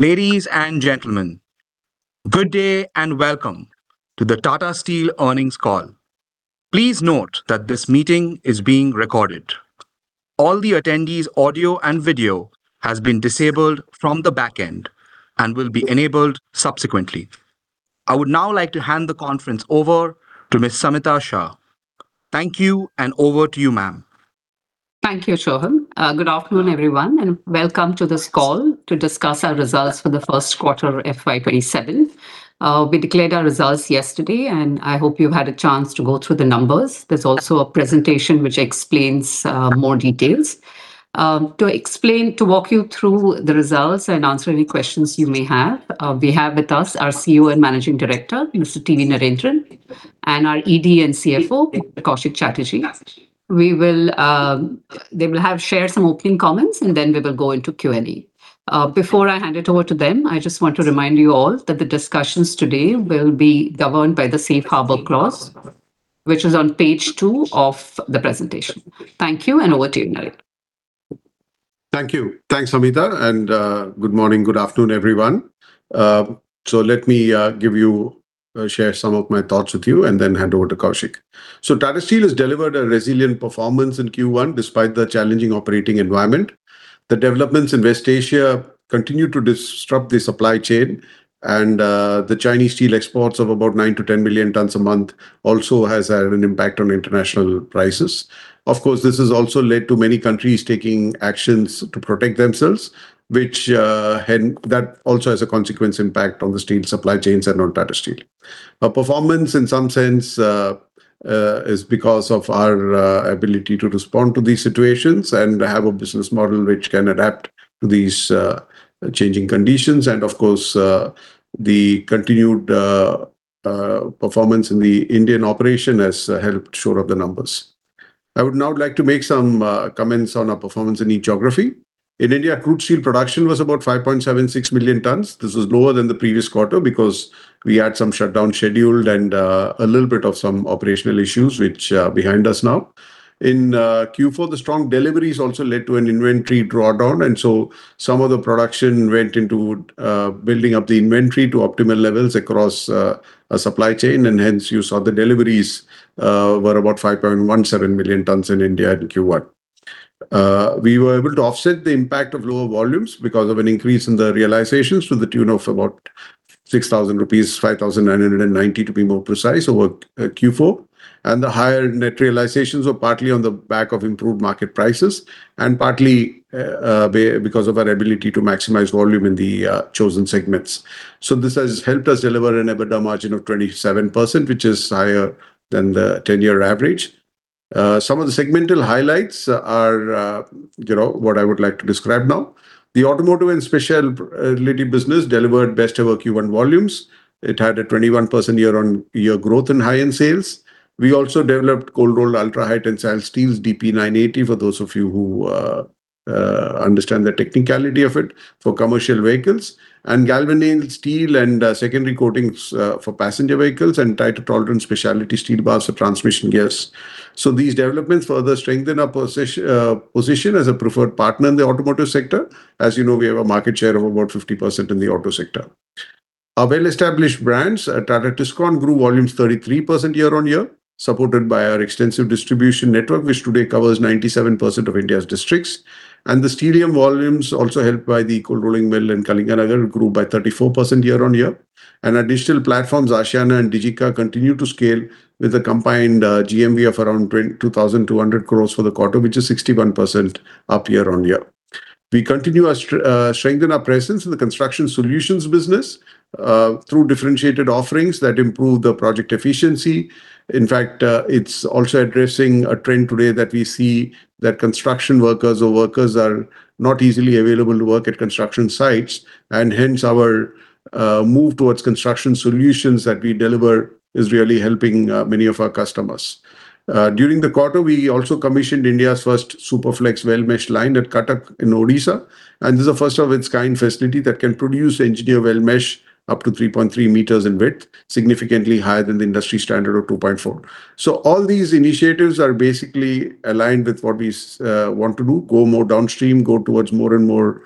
Ladies and gentlemen, good day and welcome to the Tata Steel earnings call. Please note that this meeting is being recorded. All the attendees' audio and video has been disabled from the back end and will be enabled subsequently. I would now like to hand the conference over to Ms. Samita Shah. Thank you, and over to you, ma'am. Thank you, Soham. Good afternoon, everyone, welcome to this call to discuss our results for the first quarter FY 2027. [inaudible] result yeterday, I hope you've had a chance to go through the numbers. There's also a presentation which explains more details. To walk you through the results and answer any questions you may have, we have with us our CEO and Managing Director, Mr. T.V. Narendran, and our ED and CFO, Koushik Chatterjee. They will share some opening comments. Then we will go into Q&A. Before I hand it over to them, I just want to remind you all that the discussions today will be governed by the safe harbor clause, which is on page two of the presentation. Thank you. Over to you, Naren. Thank you. Thanks, Samita. Good morning, good afternoon, everyone. Let me share some of my thoughts with you and then hand over to Koushik. Tata Steel has delivered a resilient performance in Q1 despite the challenging operating environment. The developments in West Asia continue to disrupt the supply chain. The Chinese steel exports of about 9 million tons-10 million tons a month also has had an impact on international prices. This has also led to many countries taking actions to protect themselves, which then also has a consequence impact on the steel supply chains and on Tata Steel. Our performance, in some sense, is because of our ability to respond to these situations and have a business model which can adapt to these changing conditions. Of course, the continued performance in the Indian operation has helped shore up the numbers. I would now like to make some comments on our performance in each geography. In India, crude steel production was about 5.76 million tons. This was lower than the previous quarter because we had some shutdown scheduled and a little bit of some operational issues, which are behind us now. In Q4, the strong deliveries also led to an inventory drawdown. Some of the production went into building up the inventory to optimal levels across our supply chain. You saw the deliveries were about 5.17 million tons in India in Q1. We were able to offset the impact of lower volumes because of an increase in the realizations to the tune of about 6,000 rupees, 5,990 to be more precise over Q4. The higher net realizations were partly on the back of improved market prices and partly because of our ability to maximize volume in the chosen segments. This has helped us deliver an EBITDA margin of 27%, which is higher than the 10-year average. Some of the segmental highlights are what I would like to describe now. The Automotive and Speciality business delivered best-ever Q1 volumes. It had a 21% year-on-year growth in high-end sales. We also developed cold-rolled ultra-high tensile steels DP980, for those of you who understand the technicality of it, for commercial vehicles, galvanized steel and secondary coatings for passenger vehicles and tighter tolerance speciality steel bars for transmission gears. These developments further strengthen our position as a preferred partner in the automotive sector. As you know, we have a market share of about 50% in the auto sector. Our well-established brands, Tata Tiscon grew volumes 33% year-on-year, supported by our extensive distribution network, which today covers 97% of India's districts. The Steelium volumes, also helped by the cold rolling mill in Kalinganagar, grew by 34% year-on-year. Our digital platforms, Aashiyana and DigECA, continue to scale with a combined GMV of around 2,200 crore for the quarter, which is 61% up year-on-year. We continue to strengthen our presence in the construction solutions business through differentiated offerings that improve the project efficiency. In fact, it's also addressing a trend today that we see that construction workers or workers are not easily available to work at construction sites, and hence our move towards construction solutions that we deliver is really helping many of our customers. During the quarter, we also commissioned India's first Superflex Weldmesh line at Cuttack in Odisha. This is the first of its kind facility that can produce engineered weldmesh up to 3.3 m in width, significantly higher than the industry standard of 2.4 m. All these initiatives are basically aligned with what we want to do, go more downstream, go towards more and more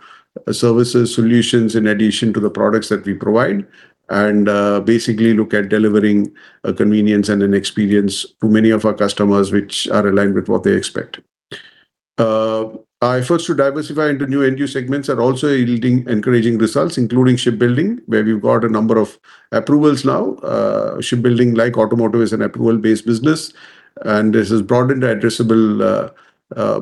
services solutions in addition to the products that we provide, and basically look at delivering a convenience and an experience to many of our customers which are aligned with what they expect. Our efforts to diversify into new end-use segments are also yielding encouraging results, including shipbuilding, where we've got a number of approvals now. Shipbuilding, like automotive, is an approval-based business, and this has broadened the addressable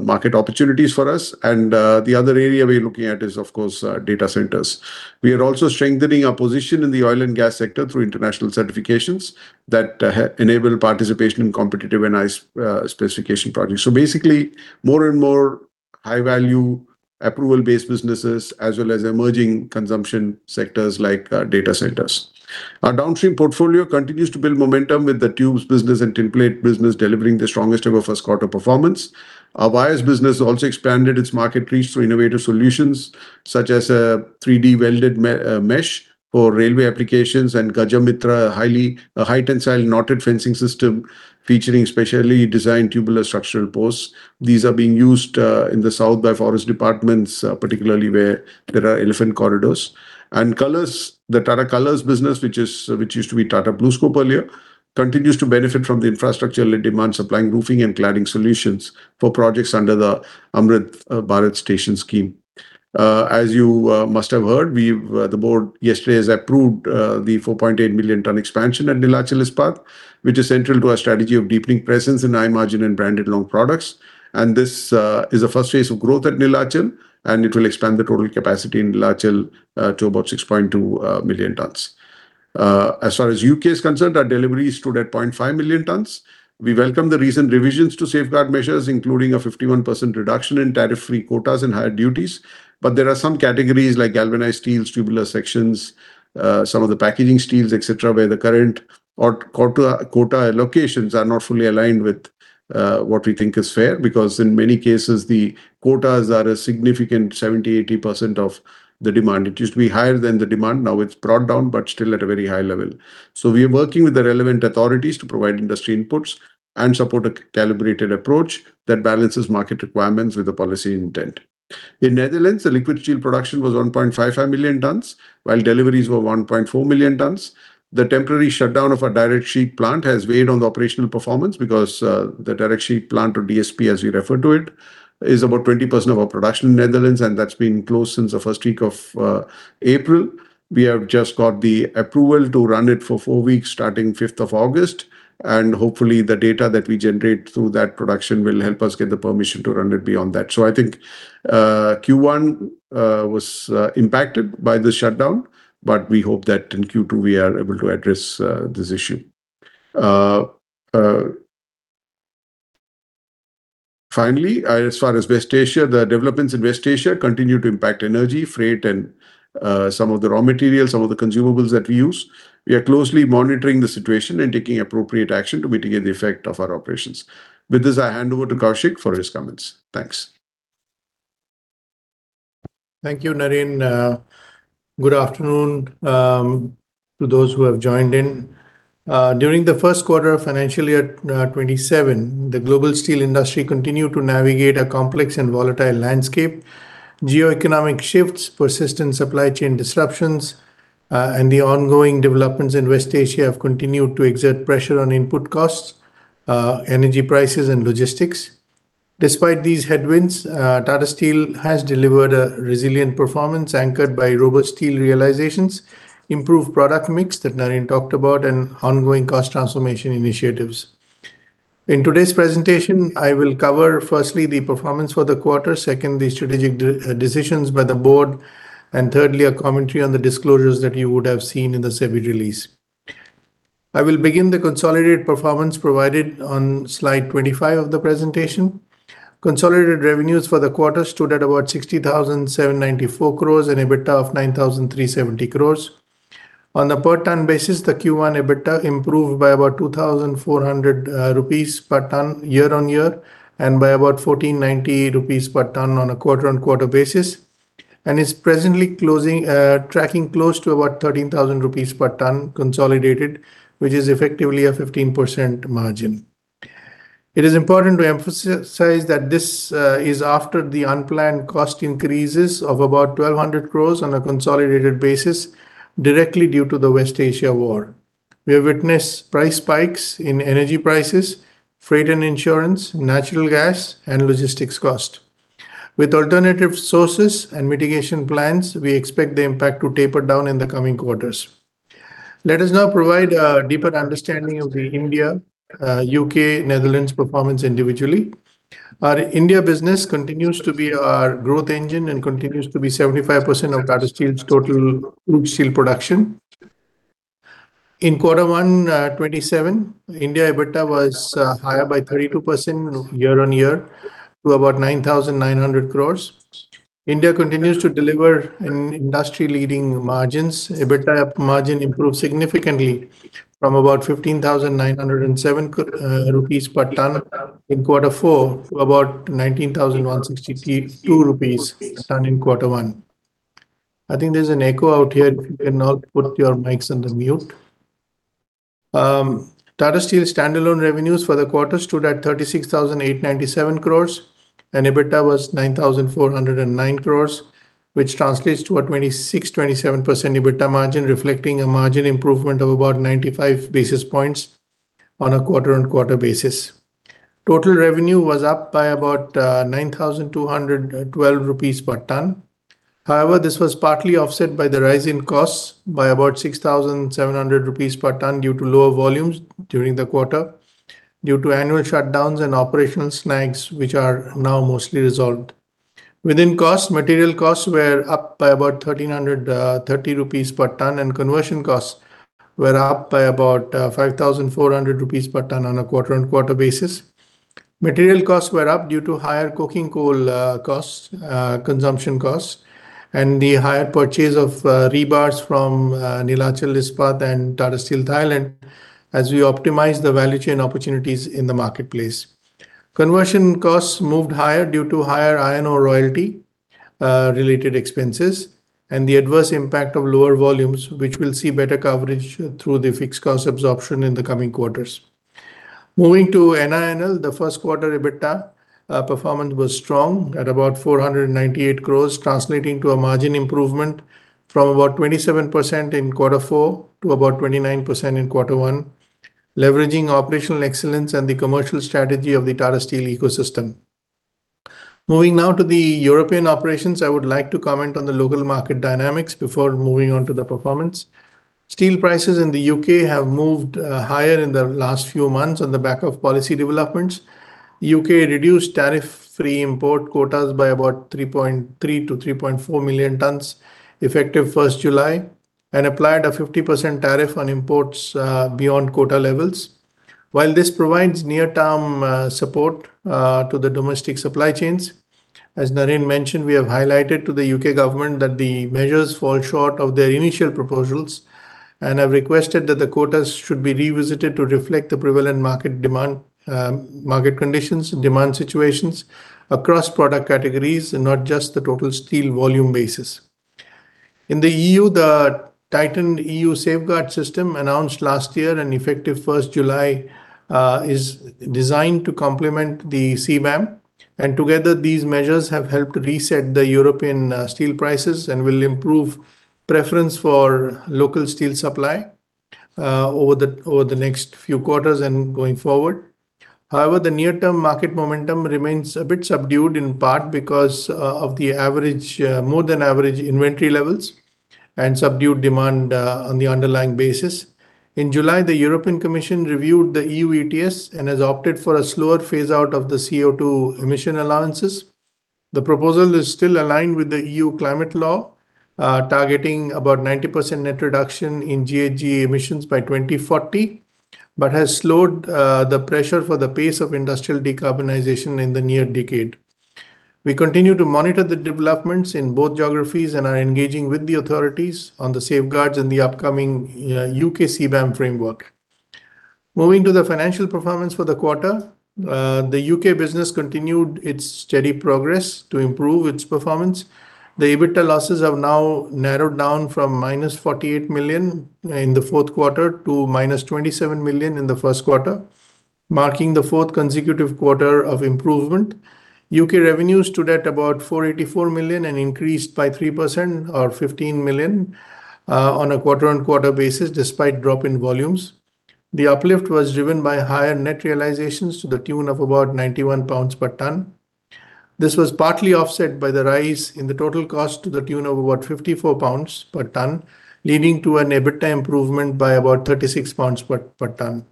market opportunities for us. The other area we're looking at is, of course, data centers. We are also strengthening our position in the oil and gas sector through international certifications that enable participation in competitive and nice specification projects. Basically, more and more high value, approval-based businesses, as well as emerging consumption sectors like data centers. Our downstream portfolio continues to build momentum with the tubes business and template business delivering the strongest ever first quarter performance. Our wires business also expanded its market reach through innovative solutions such as 3D welded mesh for railway applications and Gaja Mitra, a high tensile knotted fencing system featuring specially designed tubular structural posts. These are being used in the south by forest departments particularly where there are elephant corridors. Colors, the Tata Colors business, which used to be Tata BlueScope earlier, continues to benefit from the infrastructure demand, supplying roofing and cladding solutions for projects under the Amrit Bharat Station scheme. As you must have heard, the Board yesterday has approved the 4.8 million ton expansion at Neelachal Ispat, which is central to our strategy of deepening presence in high margin and branded long products. This is the first phase of growth at Neelachal, it will expand the total capacity in Neelachal to about 6.2 million tons. As far as U.K. is concerned, our delivery stood at 0.5 million tons. We welcome the recent revisions to safeguard measures, including a 51% reduction in tariff free quotas and higher duties. There are some categories like galvanized steels, tubular sections, some of the packaging steels, etc, where the current quota allocations are not fully aligned with what we think is fair because, in many cases, the quotas are a significant 70%-80% of the demand. It used to be higher than the demand, now it's brought down, but still at a very high level. We are working with the relevant authorities to provide industry inputs and support a calibrated approach that balances market requirements with the policy intent. In Netherlands, the liquid steel production was 1.55 million tons while deliveries were 1.4 million tons. The temporary shutdown of our direct sheet plant has weighed on the operational performance because, the direct sheet plant or DSP, as we refer to it, is about 20% of our production in Netherlands, that's been closed since the first week of April. We have just got the approval to run it for four weeks starting August 5th, hopefully, the data that we generate through that production will help us get the permission to run it beyond that. I think Q1 was impacted by the shutdown, we hope that in Q2 we are able to address this issue. Finally, as far as West Asia, the developments in West Asia continue to impact energy, freight and some of the raw materials, some of the consumables that we use. We are closely monitoring the situation and taking appropriate action to mitigate the effect of our operations. With this, I hand over to Koushik for his comments. Thanks. Thank you, Naren. Good afternoon to those who have joined in. During the first quarter of financial year 2027, the global steel industry continued to navigate a complex and volatile landscape. Geoeconomic shifts, persistent supply chain disruptions, the ongoing developments in West Asia have continued to exert pressure on input costs, energy prices, and logistics. Despite these headwinds, Tata Steel has delivered a resilient performance anchored by robust steel realizations, improved product mix that Naren talked about, and ongoing cost transformation initiatives. In today's presentation, I will cover, firstly, the performance for the quarter, second, the strategic decisions by the Board, and thirdly, a commentary on the disclosures that you would have seen in the SEBI release. I will begin the consolidated performance provided on slide 25 of the presentation. Consolidated revenues for the quarter stood at about 60,794 crore and EBITDA of 9,370 crore. On a per ton basis, the Q1 EBITDA improved by about 2,400 rupees per ton year-on-year and by about 1,498 rupees per ton on a quarter-on-quarter basis, and is presently tracking close to about 13,000 rupees per ton consolidated, which is effectively a 15% margin. It is important to emphasize that this is after the unplanned cost increases of about 1,200 crore on a consolidated basis directly due to the West Asia war. We have witnessed price spikes in energy prices, freight and insurance, natural gas, and logistics cost. With alternative sources and mitigation plans, we expect the impact to taper down in the coming quarters. Let us now provide a deeper understanding of the India, U.K., Netherlands performance individually. Our India business continues to be our growth engine and continues to be 75% of Tata Steel's total crude steel production. In quarter one 2027, India EBITDA was higher by 32% year-on-year to about 9,900 crore. India continues to deliver industry leading margins. EBITDA margin improved significantly from about 15,907 rupees per ton in Q4 to about 19,162 rupees per ton in Q1. I think there's an echo out here. If you can all put your mics on the mute. Tata Steel standalone revenues for the quarter stood at 36,897 crore, and EBITDA was 9,409 crore, which translates to a 26%-27% EBITDA margin, reflecting a margin improvement of about 95 basis points on a quarter-on-quarter basis. Total revenue was up by about 9,212 rupees per ton. However, this was partly offset by the rise in costs by about 6,700 rupees per ton due to lower volumes during the quarter due to annual shutdowns and operational snags, which are now mostly resolved. Within costs, material costs were up by about 1,330 rupees per ton and conversion costs were up by about 5,400 rupees per ton on a quarter-on-quarter basis. Material costs were up due to higher coking coal consumption costs and the higher purchase of rebars from Neelachal Ispat and Tata Steel Thailand as we optimize the value chain opportunities in the marketplace. Conversion costs moved higher due to higher iron ore royalty related expenses and the adverse impact of lower volumes, which will see better coverage through the fixed cost absorption in the coming quarters. Moving to NINL, the Q1 EBITDA performance was strong at about 498 crore, translating to a margin improvement from about 27% in Q4 to about 29% in Q1, leveraging operational excellence and the commercial strategy of the Tata Steel ecosystem. Moving now to the European operations, I would like to comment on the local market dynamics before moving on to the performance. Steel prices in the U.K. have moved higher in the last few months on the back of policy developments. U.K. reduced tariff free import quotas by about 3.3 million-3.4 million tons effective July 1st and applied a 50% tariff on imports beyond quota levels. While this provides near-term support to the domestic supply chains, as Naren mentioned, we have highlighted to the U.K. government that the measures fall short of their initial proposals and have requested that the quotas should be revisited to reflect the prevalent market conditions and demand situations across product categories and not just the total steel volume basis. In the EU, the tightened EU safeguard system, announced last year and effective July 1st, is designed to complement the CBAM, and together these measures have helped reset the European steel prices and will improve preference for local steel supply over the next few quarters and going forward. However, the near-term market momentum remains a bit subdued, in part because of the more than average inventory levels and subdued demand on the underlying basis. In July, the European Commission reviewed the EU ETS and has opted for a slower phase-out of the CO2 emission allowances. The proposal is still aligned with the EU climate law, targeting about 90% net reduction in GHG emissions by 2040, but has slowed the pressure for the pace of industrial decarbonization in the near decade. We continue to monitor the developments in both geographies and are engaging with the authorities on the safeguards in the upcoming U.K. CBAM framework. Moving to the financial performance for the quarter, the U.K. business continued its steady progress to improve its performance. The EBITDA losses have now narrowed down from -48 million in the fourth quarter to -27 million in the first quarter, marking the fourth consecutive quarter of improvement. U.K. revenue stood at about 484 million and increased by 3%, or 15 million, on a quarter-on-quarter basis, despite a drop in volumes. The uplift was driven by higher net realizations to the tune of about 91 pounds per ton. This was partly offset by the rise in the total cost to the tune of about 54 pounds per ton, leading to an EBITDA improvement by about 36 pounds per ton.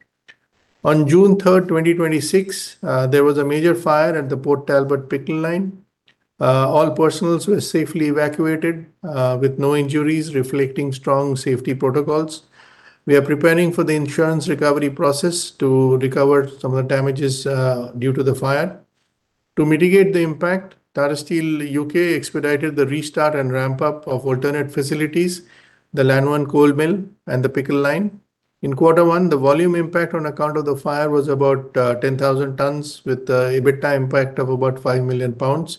On June 3rd, 2026, there was a major fire at the Port Talbot Pickle Line. All personnel were safely evacuated, with no injuries, reflecting strong safety protocols. We are preparing for the insurance recovery process to recover some of the damages due to the fire. To mitigate the impact, Tata Steel U.K. expedited the restart and ramp-up of alternate facilities, the Llanwern Cold Mill and the Pickle Line. In quarter one, the volume impact on account of the fire was about 10,000 tons, with EBITDA impact of about 5 million pounds.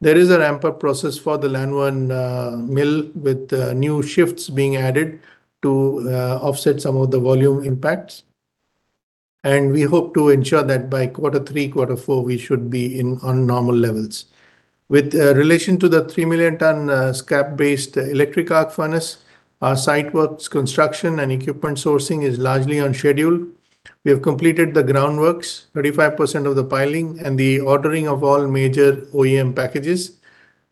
There is a ramp-up process for the Llanwern Mill, with new shifts being added to offset some of the volume impacts, and we hope to ensure that by quarter three, quarter four, we should be on normal levels. With relation to the 3 million ton scrap-based electric arc furnace, our site works, construction, and equipment sourcing is largely on schedule. We have completed the groundworks, 35% of the piling, and the ordering of all major OEM packages.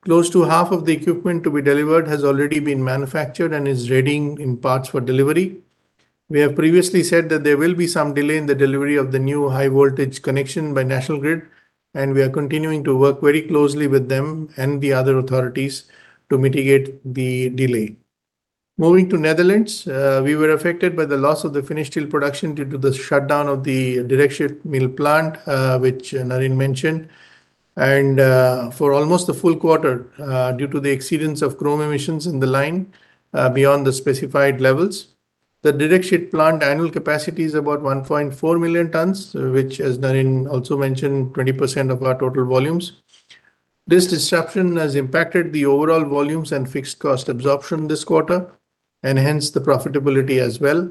Close to half of the equipment to be delivered has already been manufactured and is readying in parts for delivery. We have previously said that there will be some delay in the delivery of the new high-voltage connection by National Grid, and we are continuing to work very closely with them and the other authorities to mitigate the delay. Moving to Netherlands, we were affected by the loss of the finished steel production due to the shutdown of the direct sheet plant, which Naren mentioned, and for almost a full quarter, due to the exceedance of chrome emissions in the line beyond the specified levels. The direct sheet plant annual capacity is about 1.4 million tons, which, as Naren also mentioned, 20% of our total volumes. This disruption has impacted the overall volumes and fixed cost absorption this quarter, and hence the profitability as well.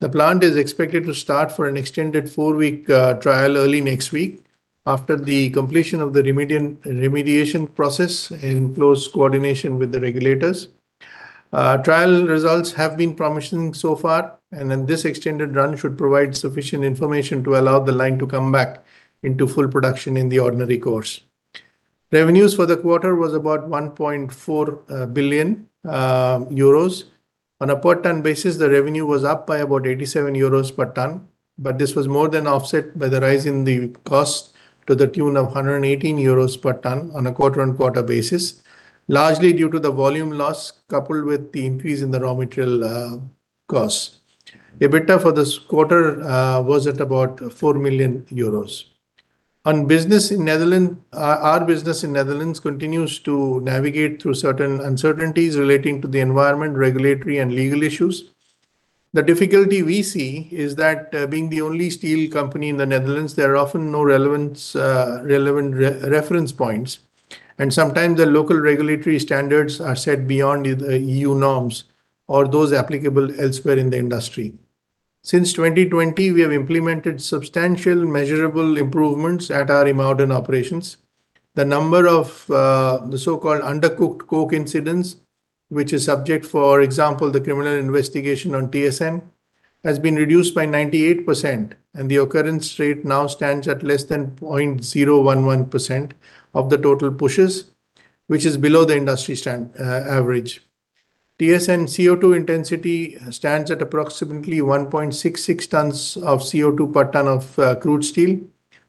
The plant is expected to start for an extended four-week trial early next week after the completion of the remediation process in close coordination with the regulators. Trial results have been promising so far. This extended run should provide sufficient information to allow the line to come back into full production in the ordinary course. Revenues for the quarter was about 1.4 billion euros. On a per ton basis, the revenue was up by about 87 euros per ton. This was more than offset by the rise in the cost to the tune of 118 euros per ton on a quarter-over-quarter basis, largely due to the volume loss coupled with the increase in the raw material costs. EBITDA for this quarter was at about 4 million euros. Our business in Netherlands continues to navigate through certain uncertainties relating to the environment, regulatory, and legal issues. The difficulty we see is that being the only steel company in the Netherlands, there are often no relevant reference points, and sometimes the local regulatory standards are set beyond the EU norms or those applicable elsewhere in the industry. Since 2020, we have implemented substantial measurable improvements at our IJmuiden operations. The number of the so-called undercooked coke incidents, which is subject, for example, the criminal investigation on TSN, has been reduced by 98%, and the occurrence rate now stands at less than 0.011% of the total pushes, which is below the industry average. TSN CO2 intensity stands at approximately 1.66 tons of CO2 per ton of crude steel,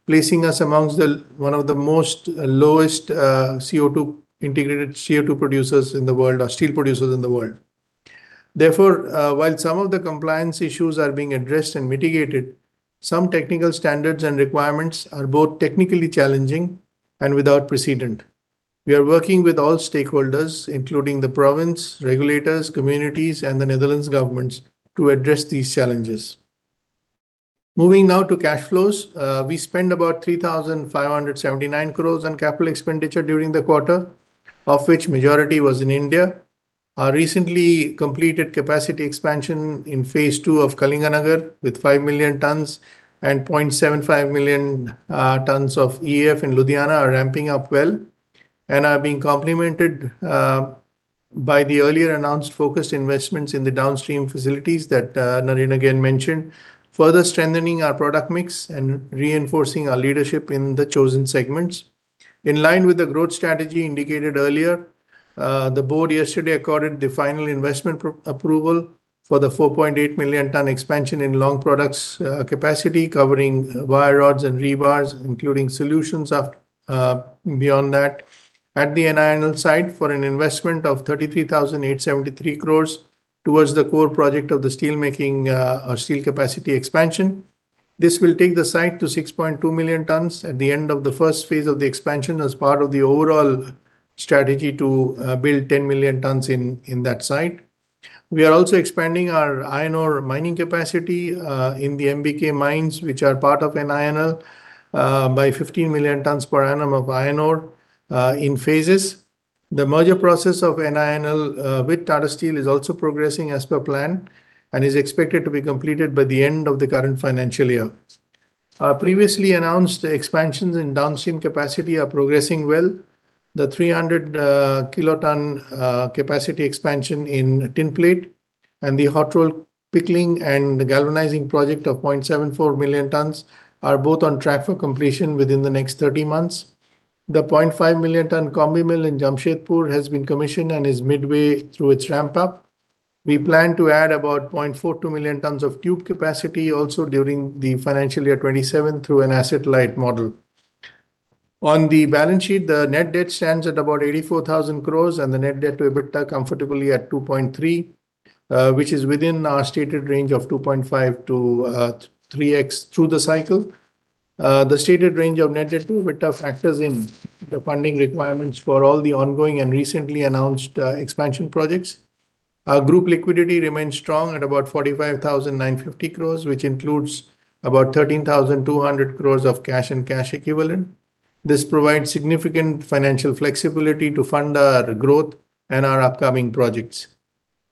placing us amongst one of the most lowest integrated CO2 producers in the world, or steel producers in the world. While some of the compliance issues are being addressed and mitigated, some technical standards and requirements are both technically challenging and without precedent. We are working with all stakeholders, including the province, regulators, communities, and the Netherlands governments, to address these challenges. Moving now to cash flows. We spent about 3,579 crore on capital expenditure during the quarter, of which majority was in India. Our recently completed capacity expansion in phase II of Kalinganagar with 5 million tons and 0.75 million tons of EAF in Ludhiana are ramping up well and are being complemented by the earlier announced focused investments in the downstream facilities that Naren again mentioned, further strengthening our product mix and reinforcing our leadership in the chosen segments. In line with the growth strategy indicated earlier, the board yesterday accorded the final investment approval for the 4.8 million ton expansion in long products capacity, covering wire rods and rebars, including solutions beyond that at the NINL site for an investment of 33,873 crore towards the core project of the steel capacity expansion. This will take the site to 6.2 million tons at the end of the first phase of the expansion as part of the overall strategy to build 10 million tons in that site. We are also expanding our iron ore mining capacity in the MBK mines, which are part of NINL, by 15 million tons per annum of iron ore in phases. The merger process of NINL with Tata Steel is also progressing as per plan and is expected to be completed by the end of the current financial year. Our previously announced expansions in downstream capacity are progressing well. The 300 kg ton capacity expansion in tin plate and the hot roll pickling and the galvanizing project of 0.74 million tons are both on track for completion within the next 30 months. The 0.5 million ton Combi-Mill in Jamshedpur has been commissioned and is midway through its ramp up. We plan to add about 0.42 million tons of tube capacity also during the financial year 2027 through an asset light model. On the balance sheet, the net debt stands at about 84,000 crore, and the net debt to EBITDA comfortably at 2.3x, which is within our stated range of 2.5x-3x through the cycle. The stated range of net debt to EBITDA factors in the funding requirements for all the ongoing and recently announced expansion projects. Our group liquidity remains strong at about 45,950 crore, which includes about 13,200 crore of cash and cash equivalent. This provides significant financial flexibility to fund our growth and our upcoming projects.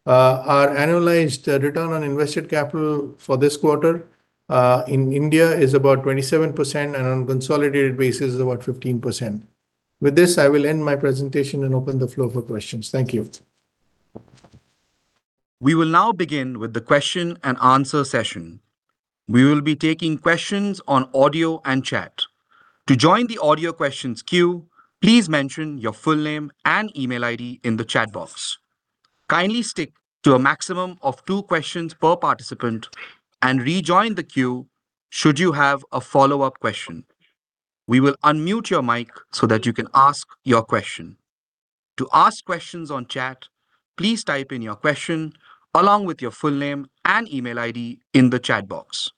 Our annualized return on invested capital for this quarter in India is about 27%, and on a consolidated basis, about 15%. With this, I will end my presentation and open the floor for questions. Thank you. We will now begin with the question-and-answer session. We will be taking questions on audio and chat. To join the audio questions queue, please mention your full name and email ID in the chat box. Kindly stick to a maximum of two questions per participant and rejoin the queue should you have a follow-up question. We will unmute your mic so that you can ask your question. To ask questions on chat, please type in your question along with your full name and email ID in the chat box.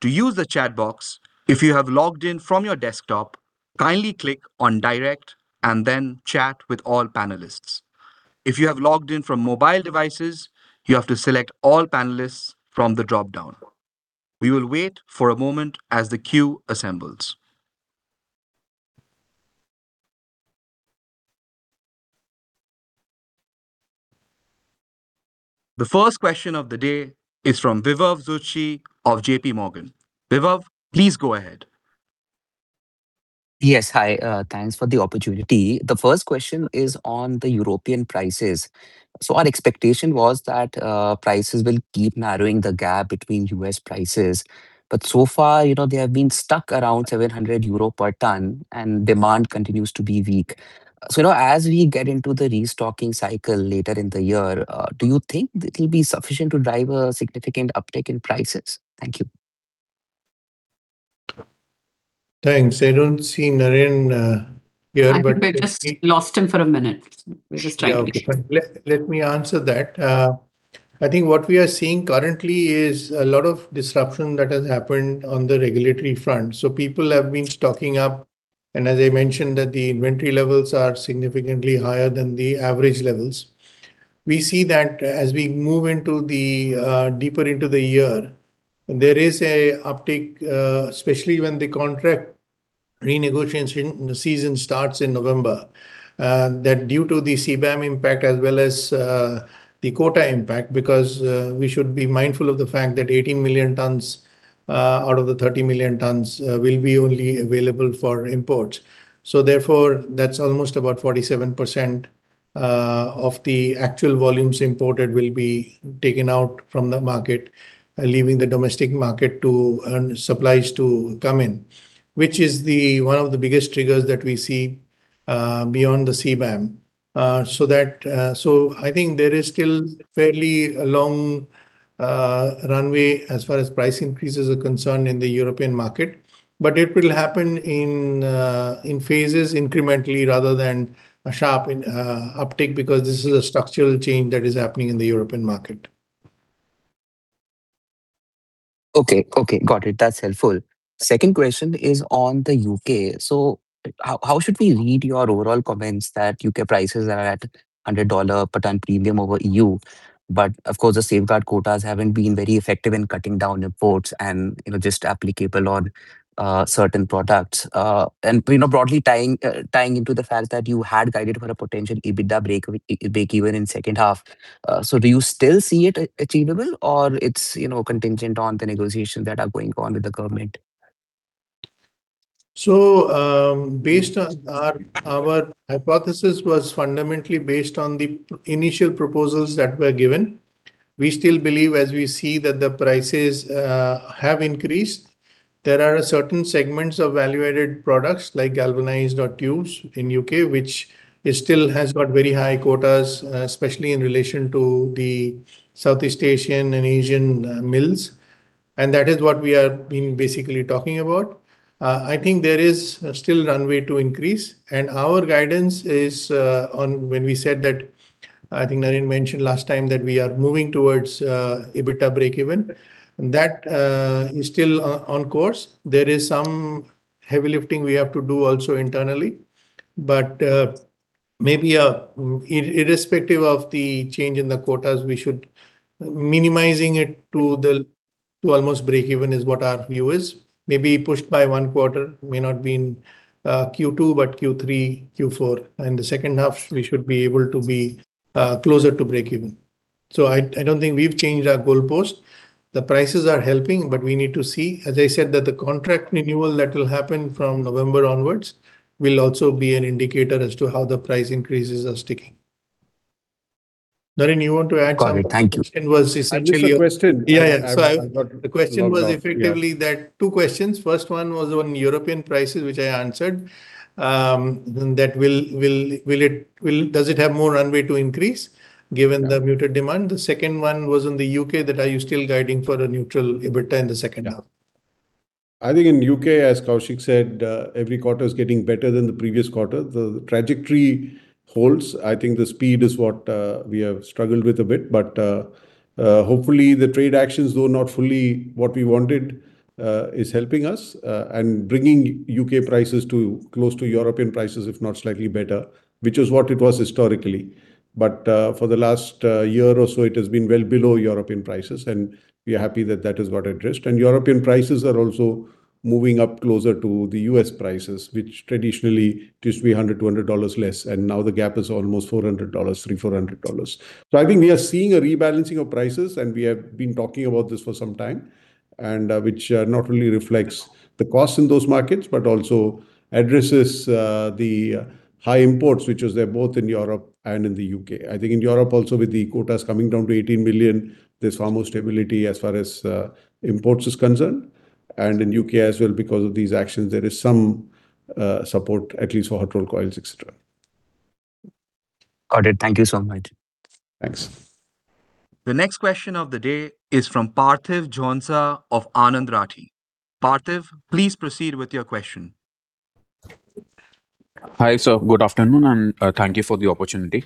To use the chat box, if you have logged in from your desktop, kindly click on Direct and then Chat with all panelists. If you have logged in from mobile devices, you have to select All panelists from the dropdown. We will wait for a moment as the queue assembles. The first question of the day is from Vibhav Zutshi of JPMorgan. Vibhav, please go ahead. Yes. Hi. Thanks for the opportunity. The first question is on the European prices. Our expectation was that prices will keep narrowing the gap between U.S. prices. So far, they have been stuck around 700 euro per ton, and demand continues to be weak. As we get into the restocking cycle later in the year, do you think it will be sufficient to drive a significant uptick in prices? Thank you. Thanks. I don't see Naren here, but let's see- I think we just lost him for a minute. We're just trying to get him Okay. Let me answer that. I think what we are seeing currently is a lot of disruption that has happened on the regulatory front. People have been stocking up, and as I mentioned, that the inventory levels are significantly higher than the average levels. We see that as we move deeper into the year, there is a uptick, especially when the contract renegotiation season starts in November, that due to the CBAM impact as well as the quota impact, because we should be mindful of the fact that 18 million tons out of the 30 million tons will be only available for imports. Therefore, that's almost about 47% of the actual volumes imported will be taken out from the market, leaving the domestic market to earn supplies to come in, which is one of the biggest triggers that we see beyond the CBAM. I think there is still fairly a long runway as far as price increases are concerned in the European market, but it will happen in phases incrementally rather than a sharp uptick, because this is a structural change that is happening in the European market. Okay. Got it. That's helpful. Second question is on the U.K. How should we read your overall comments that U.K. prices are at $100 per ton premium over EU? Of course the safeguard quotas haven't been very effective in cutting down imports and just applicable on certain products. Broadly tying into the fact that you had guided for a potential EBITDA breakeven in the second half. Do you still see it achievable, or it's contingent on the negotiations that are going on with the government? Our hypothesis was fundamentally based on the initial proposals that were given. We still believe as we see that the prices have increased, there are certain segments of value-added products like galvanized tubes in U.K., which still has got very high quotas, especially in relation to the Southeast Asian and Asian mills, and that is what we have been basically talking about. I think there is still runway to increase, and our guidance is on when we said that, I think Naren mentioned last time that we are moving towards EBITDA breakeven, and that is still on course. There is some heavy lifting we have to do also internally, but maybe irrespective of the change in the quotas, we should be minimizing it to almost breakeven is what our view is. Maybe pushed by one quarter, may not be in Q2, but Q3, Q4. In the second half, we should be able to be closer to breakeven. I don't think we've changed our goalpost. The prices are helping, but we need to see, as I said, that the contract renewal that will happen from November onwards will also be an indicator as to how the price increases are sticking. Naren, you want to add something? Got it. Thank you. And was essentially- Which was the question? Yeah. The question was effectively two questions. First one was on European prices, which I answered, does it have more runway to increase given the muted demand? The second one was in the U.K., that are you still guiding for a neutral EBITDA in the second half? I think in the U.K., as Koushik said, every quarter is getting better than the previous quarter. The trajectory holds. I think the speed is what we have struggled with a bit. Hopefully the trade actions, though not fully what we wanted, is helping us and bringing U.K. prices close to European prices, if not slightly better, which is what it was historically. For the last year or so, it has been well below European prices, and we are happy that that has got addressed. European prices are also moving up closer to the U.S. prices, which traditionally used to be $100, $200 less, and now the gap is almost $300, $400. I think we are seeing a rebalancing of prices, and we have been talking about this for some time, which not only reflects the cost in those markets, but also addresses the high imports, which is there both in Europe and in the U.K. I think in Europe also with the quotas coming down to 18 million, there's far more stability as far as imports is concerned, and in U.K. as well because of these actions, there is some support, at least for hot-rolled coils, etc. Got it. Thank you so much. Thanks. The next question of the day is from Parthiv Jhonsa of Anand Rathi. Parthiv, please proceed with your question. Hi, sir. Good afternoon, and thank you for the opportunity.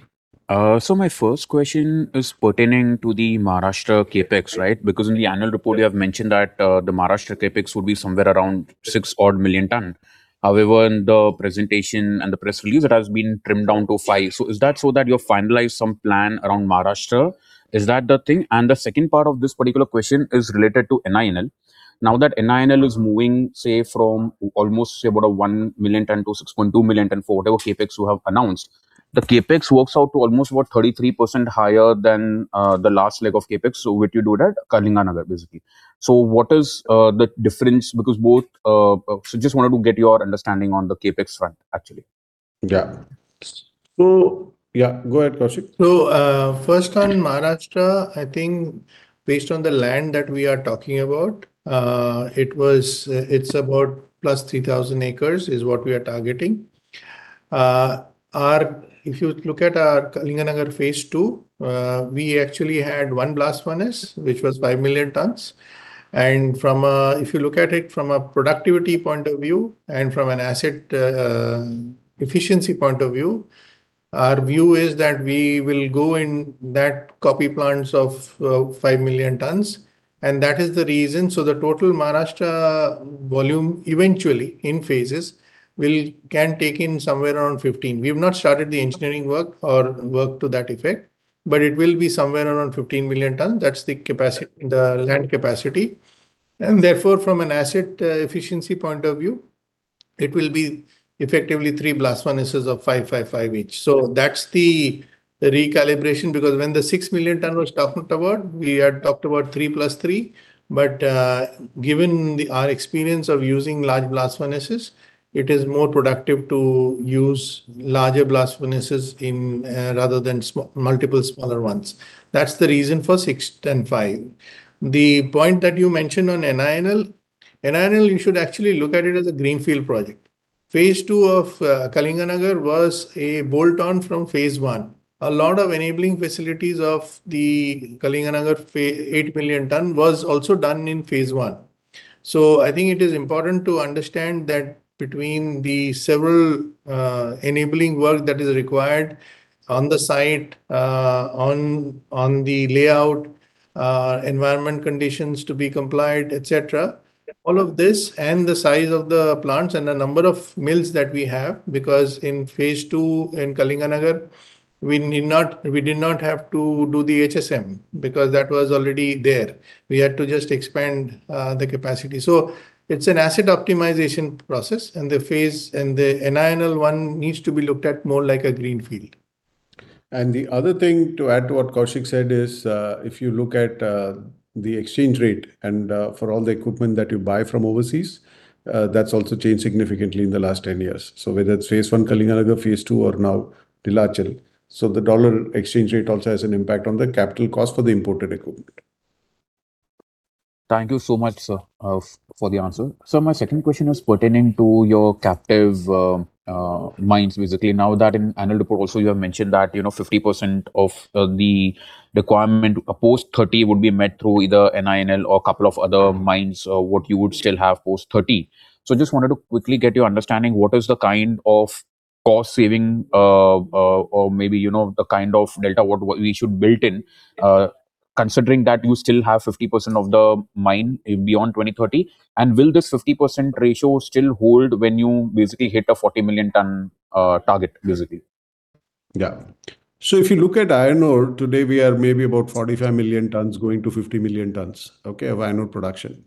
My first question is pertaining to the Maharashtra CapEx, right? In the annual report you have mentioned that the Maharashtra CapEx would be somewhere around 6 odd million tons. However, in the presentation and the press release, it has been trimmed down to 5 million tons. Is that so that you have finalized some plan around Maharashtra? Is that the thing? The second part of this particular question is related to NINL. Now that NINL is moving, say, from almost about a 1 million tons-6.2 million tons for whatever CapEx you have announced, the CapEx works out to almost what, 33% higher than the last leg of CapEx. Would you do that at Kalinganagar, basically. What is the difference? Just wanted to get your understanding on the CapEx front, actually. Yeah. Go ahead, Koushik. First on Maharashtra, I think based on the land that we are talking about, it's about +3,000 acres is what we are targeting. If you look at our Kalinganagar phase II, we actually had one blast furnace, which was 5 million tons. If you look at it from a productivity point of view and from an asset efficiency point of view, our view is that we will go in that copy plants of 5 million tons, and that is the reason. The total Maharashtra volume, eventually in phases, can take in somewhere around 15 million tons. We have not started the engineering work or work to that effect, but it will be somewhere around 15 million tons. That's the land capacity. Therefore, from an asset efficiency point of view, it will be effectively three blast furnaces of 5 million tons, 5 million tons each. That's the recalibration, because when the 6 million tons was talked about, we had talked about 3 + 3. Given our experience of using large blast furnaces, it is more productive to use larger blast furnaces rather than multiple smaller ones. That's the reason for 6 million tons and 5 million tons. The point that you mentioned on NINL, you should actually look at it as a greenfield project. Phase II of Kalinganagar was a bolt-on from phase I. A lot of enabling facilities of the Kalinganagar 8 million tons was also done in phase I. I think it is important to understand that between the several enabling work that is required on the site, on the layout, environment conditions to be complied, etc, all of this and the size of the plants and the number of mills that we have, because in phase II in Kalinganagar, we did not have to do the HSM because that was already there. We had to just expand the capacity. It's an asset optimization process. The NINL one needs to be looked at more like a greenfield. The other thing to add to what Koushik said is, if you look at the exchange rate and for all the equipment that you buy from overseas, that's also changed significantly in the last 10 years. Whether it's phase I Kalinganagar, phase II or now Neelachal. The dollar exchange rate also has an impact on the capital cost for the imported equipment. Thank you so much, sir, for the answer. My second question is pertaining to your captive mines, basically, now that in annual report also you have mentioned that 50% of the requirement post 2030 would be met through either NINL or a couple of other mines, what you would still have post 2030. Just wanted to quickly get your understanding, what is the kind of cost saving or maybe the kind of data what we should build in considering that you still have 50% of the mine beyond 2030, and will this 50% ratio still hold when you basically hit a 40 million ton target, basically? Yeah. If you look at iron ore today, we are maybe about 45 million tons going to 50 million tons of iron ore production.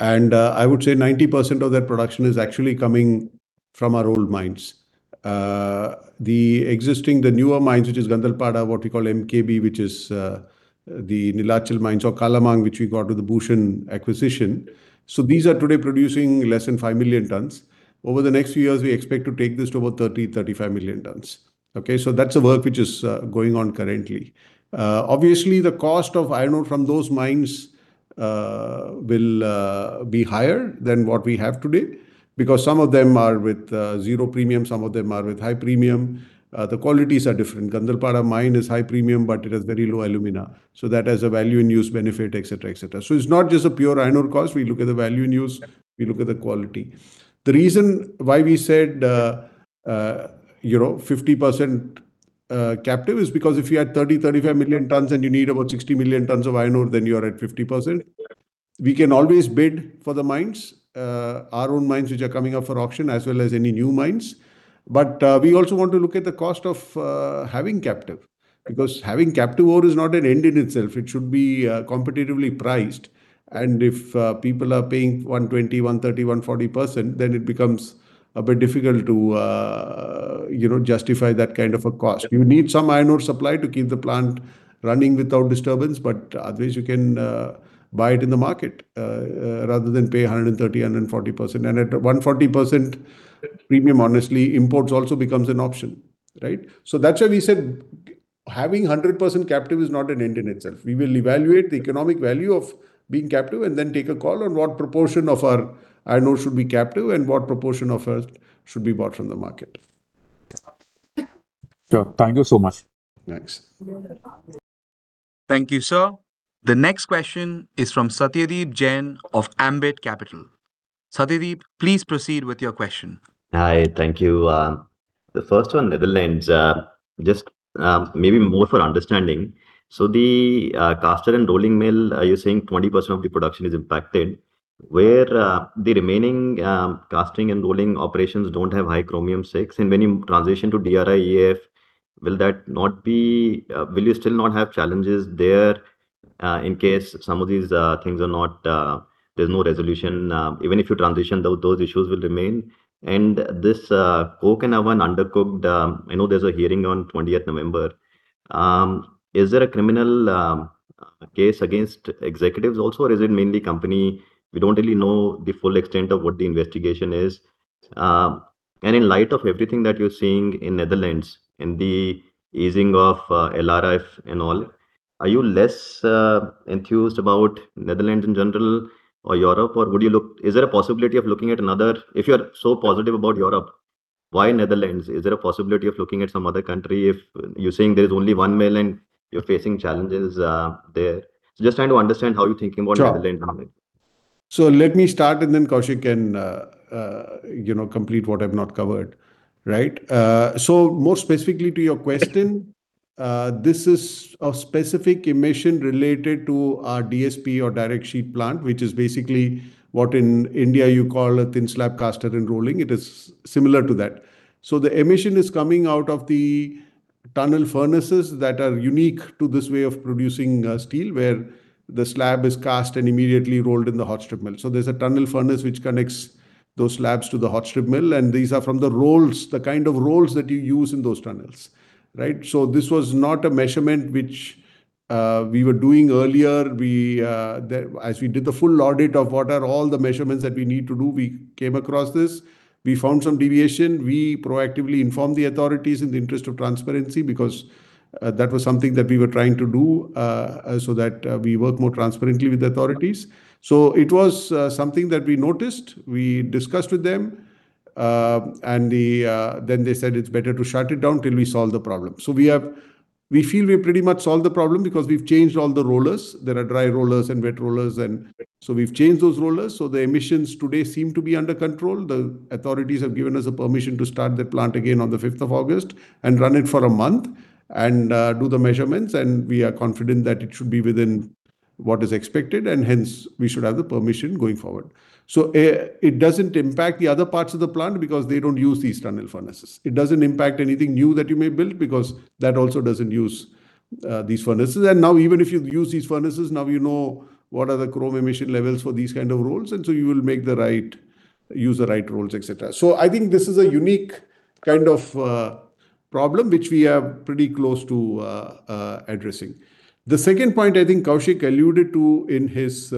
I would say 90% of that production is actually coming from our old mines. The newer mines, which is Gandhalpada, what we call MBK, which is the Neelachal mines or Kalamang, which we got with the Bhushan acquisition. These are today producing less than 5 million tons. Over the next few years, we expect to take this to about 30 million tons, 35 million tons. Okay, that's a work which is going on currently. Obviously, the cost of iron ore from those mines will be higher than what we have today because some of them are with zero premium, some of them are with high premium. The qualities are different. Gandhalpada mine is high premium, but it has very low alumina, so that has a value in use benefit, etc. It's not just a pure iron ore cost. We look at the value in use, we look at the quality. The reason why we said 50% captive is because if you had 30 million tons, 35 million tons and you need about 60 million tons of iron ore, then you are at 50%. We can always bid for the mines, our own mines, which are coming up for auction as well as any new mines. We also want to look at the cost of having captive, because having captive ore is not an end in itself. It should be competitively priced. If people are paying 120%, 130%, 140%, then it becomes a bit difficult to justify that kind of a cost. You need some iron ore supply to keep the plant running without disturbance, otherwise you can buy it in the market rather than pay 130%, 140%. At 140% premium, honestly, imports also becomes an option, right? That's why we said having 100% captive is not an end in itself. We will evaluate the economic value of being captive and then take a call on what proportion of our iron ore should be captive and what proportion of it should be bought from the market. Sure. Thank you so much. Thanks. Thank you, sir. The next question is from Satyadeep Jain of Ambit Capital. Satyadeep, please proceed with your question. Hi. Thank you. The first one, Netherlands, just maybe more for understanding. The caster and rolling mill, you're saying 20% of the production is impacted where the remaining casting and rolling operations don't have high chromium-6, and when you transition to DRI-EAF, will you still not have challenges there in case some of these things there's no resolution, even if you transition, those issues will remain? This coke oven undercooked, I know there's a hearing on November 20th. Is there a criminal case against executives also, or is it mainly company? We don't really know the full extent of what the investigation is. In light of everything that you're seeing in Netherlands and the easing of LRF and all, are you less enthused about Netherlands in general or Europe? If you're so positive about Europe, why Netherlands? Is there a possibility of looking at some other country if you're saying there's only one mill and you're facing challenges there? Just trying to understand how you're thinking about Netherlands only. Sure. Let me start and then Koushik can complete what I've not covered. More specifically to your question, this is a specific emission related to our DSP or direct sheet plant, which is basically what in India you call a thin slab caster and rolling. It is similar to that. The emission is coming out of the tunnel furnaces that are unique to this way of producing steel, where the slab is cast and immediately rolled in the hot strip mill. There's a tunnel furnace which connects those slabs to the hot strip mill, and these are from the rolls, the kind of rolls that you use in those tunnels. This was not a measurement which we were doing earlier. As we did the full audit of what are all the measurements that we need to do, we came across this. We found some deviation. We proactively informed the authorities in the interest of transparency because that was something that we were trying to do so that we work more transparently with the authorities. It was something that we noticed, we discussed with them, and then they said it's better to shut it down till we solve the problem. We feel we've pretty much solved the problem because we've changed all the rollers. There are dry rollers and wet rollers. We've changed those rollers so the emissions today seem to be under control. The authorities have given us permission to start the plant again on August 5th and run it for a month and do the measurements, and we are confident that it should be within what is expected and hence we should have the permission going forward. It doesn't impact the other parts of the plant because they don't use these tunnel furnaces. It doesn't impact anything new that you may build because that also doesn't use these furnaces. Now even if you use these furnaces, now you know what are the chromium emission levels for these kind of rolls, and so you will use the right rolls, etc. I think this is a unique kind of problem which we are pretty close to addressing. The second point I think Koushik alluded to in his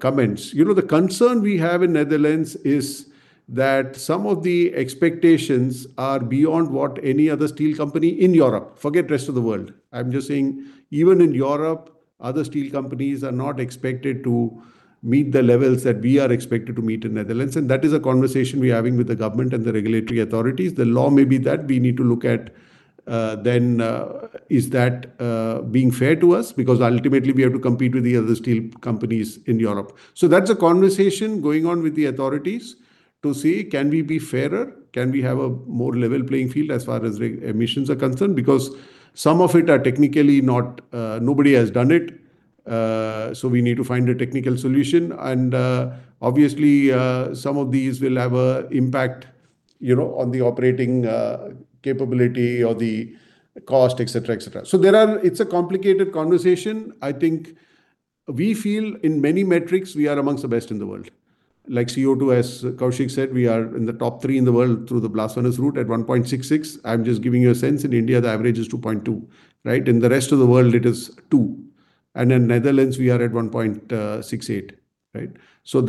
comments. The concern we have in Netherlands is that some of the expectations are beyond what any other steel company in Europe, forget rest of the world, I'm just saying even in Europe, other steel companies are not expected to meet the levels that we are expected to meet in Netherlands. That is a conversation we're having with the government and the regulatory authorities. The law may be that we need to look at then is that being fair to us because ultimately we have to compete with the other steel companies in Europe. That's a conversation going on with the authorities to see can we be fairer, can we have a more level playing field as far as emissions are concerned because some of it are technically nobody has done it. We need to find a technical solution and, obviously, some of these will have an impact on the operating capability or the cost, etc. It's a complicated conversation. I think we feel in many metrics we are amongst the best in the world. Like CO2, as Koushik said, we are in the top three in the world through the blast furnace route at 1.66. I'm just giving you a sense. In India, the average is 2.2. In the rest of the world it is two. In Netherlands we are at 1.68.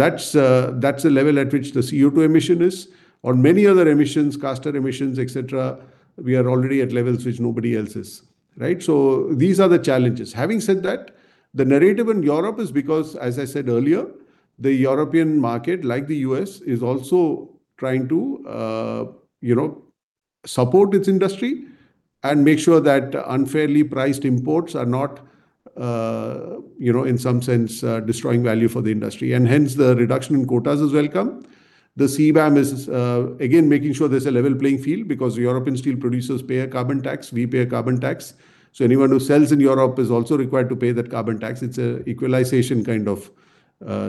That's a level at which the CO2 emission is. On many other emissions, caster emissions, etc, we are already at levels which nobody else is. These are the challenges. Having said that, the narrative in Europe is because, as I said earlier, the European market, like the U.S., is also trying to support its industry and make sure that unfairly priced imports are not in some sense destroying value for the industry. Hence the reduction in quotas is welcome. The CBAM is again making sure there's a level playing field because European steel producers pay a carbon tax. We pay a carbon tax. Anyone who sells in Europe is also required to pay that carbon tax. It's an equalization kind of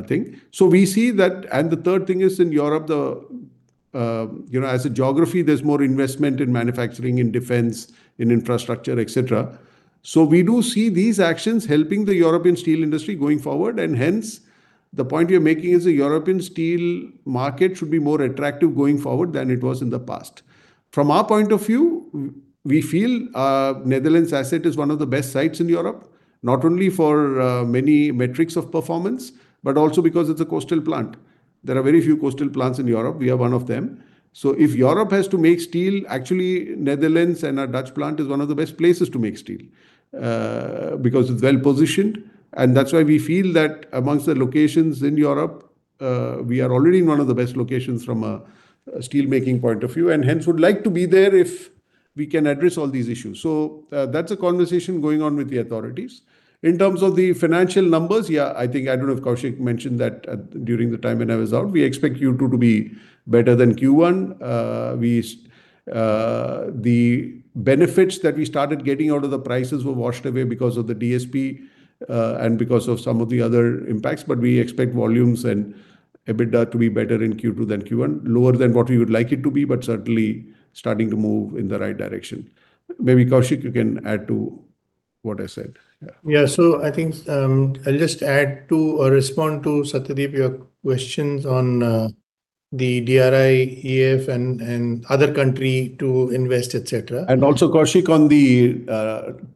thing. The third thing is in Europe as a geography there's more investment in manufacturing, in defense, in infrastructure, etc. We do see these actions helping the European steel industry going forward, hence the point we are making is the European steel market should be more attractive going forward than it was in the past. From our point of view, we feel Netherlands asset is one of the best sites in Europe, not only for many metrics of performance, but also because it's a coastal plant. There are very few coastal plants in Europe. We are one of them. If Europe has to make steel, actually Netherlands and our Dutch plant is one of the best places to make steel because it's well-positioned and that's why we feel that amongst the locations in Europe, we are already in one of the best locations from a steel making point of view and hence would like to be there if we can address all these issues. That's a conversation going on with the authorities. In terms of the financial numbers, I think I don't know if Koushik mentioned that during the time when I was out, we expect Q2 to be better than Q1. The benefits that we started getting out of the prices were washed away because of the DSP and because of some of the other impacts, but we expect volumes and EBITDA to be better in Q2 than Q1. Lower than what we would like it to be, certainly starting to move in the right direction. Maybe Koushik you can add to what I said. I think I'll just add to or respond to Satyadeep, your questions on the DRI-EAF and other country to invest, etc. Also Koushik on the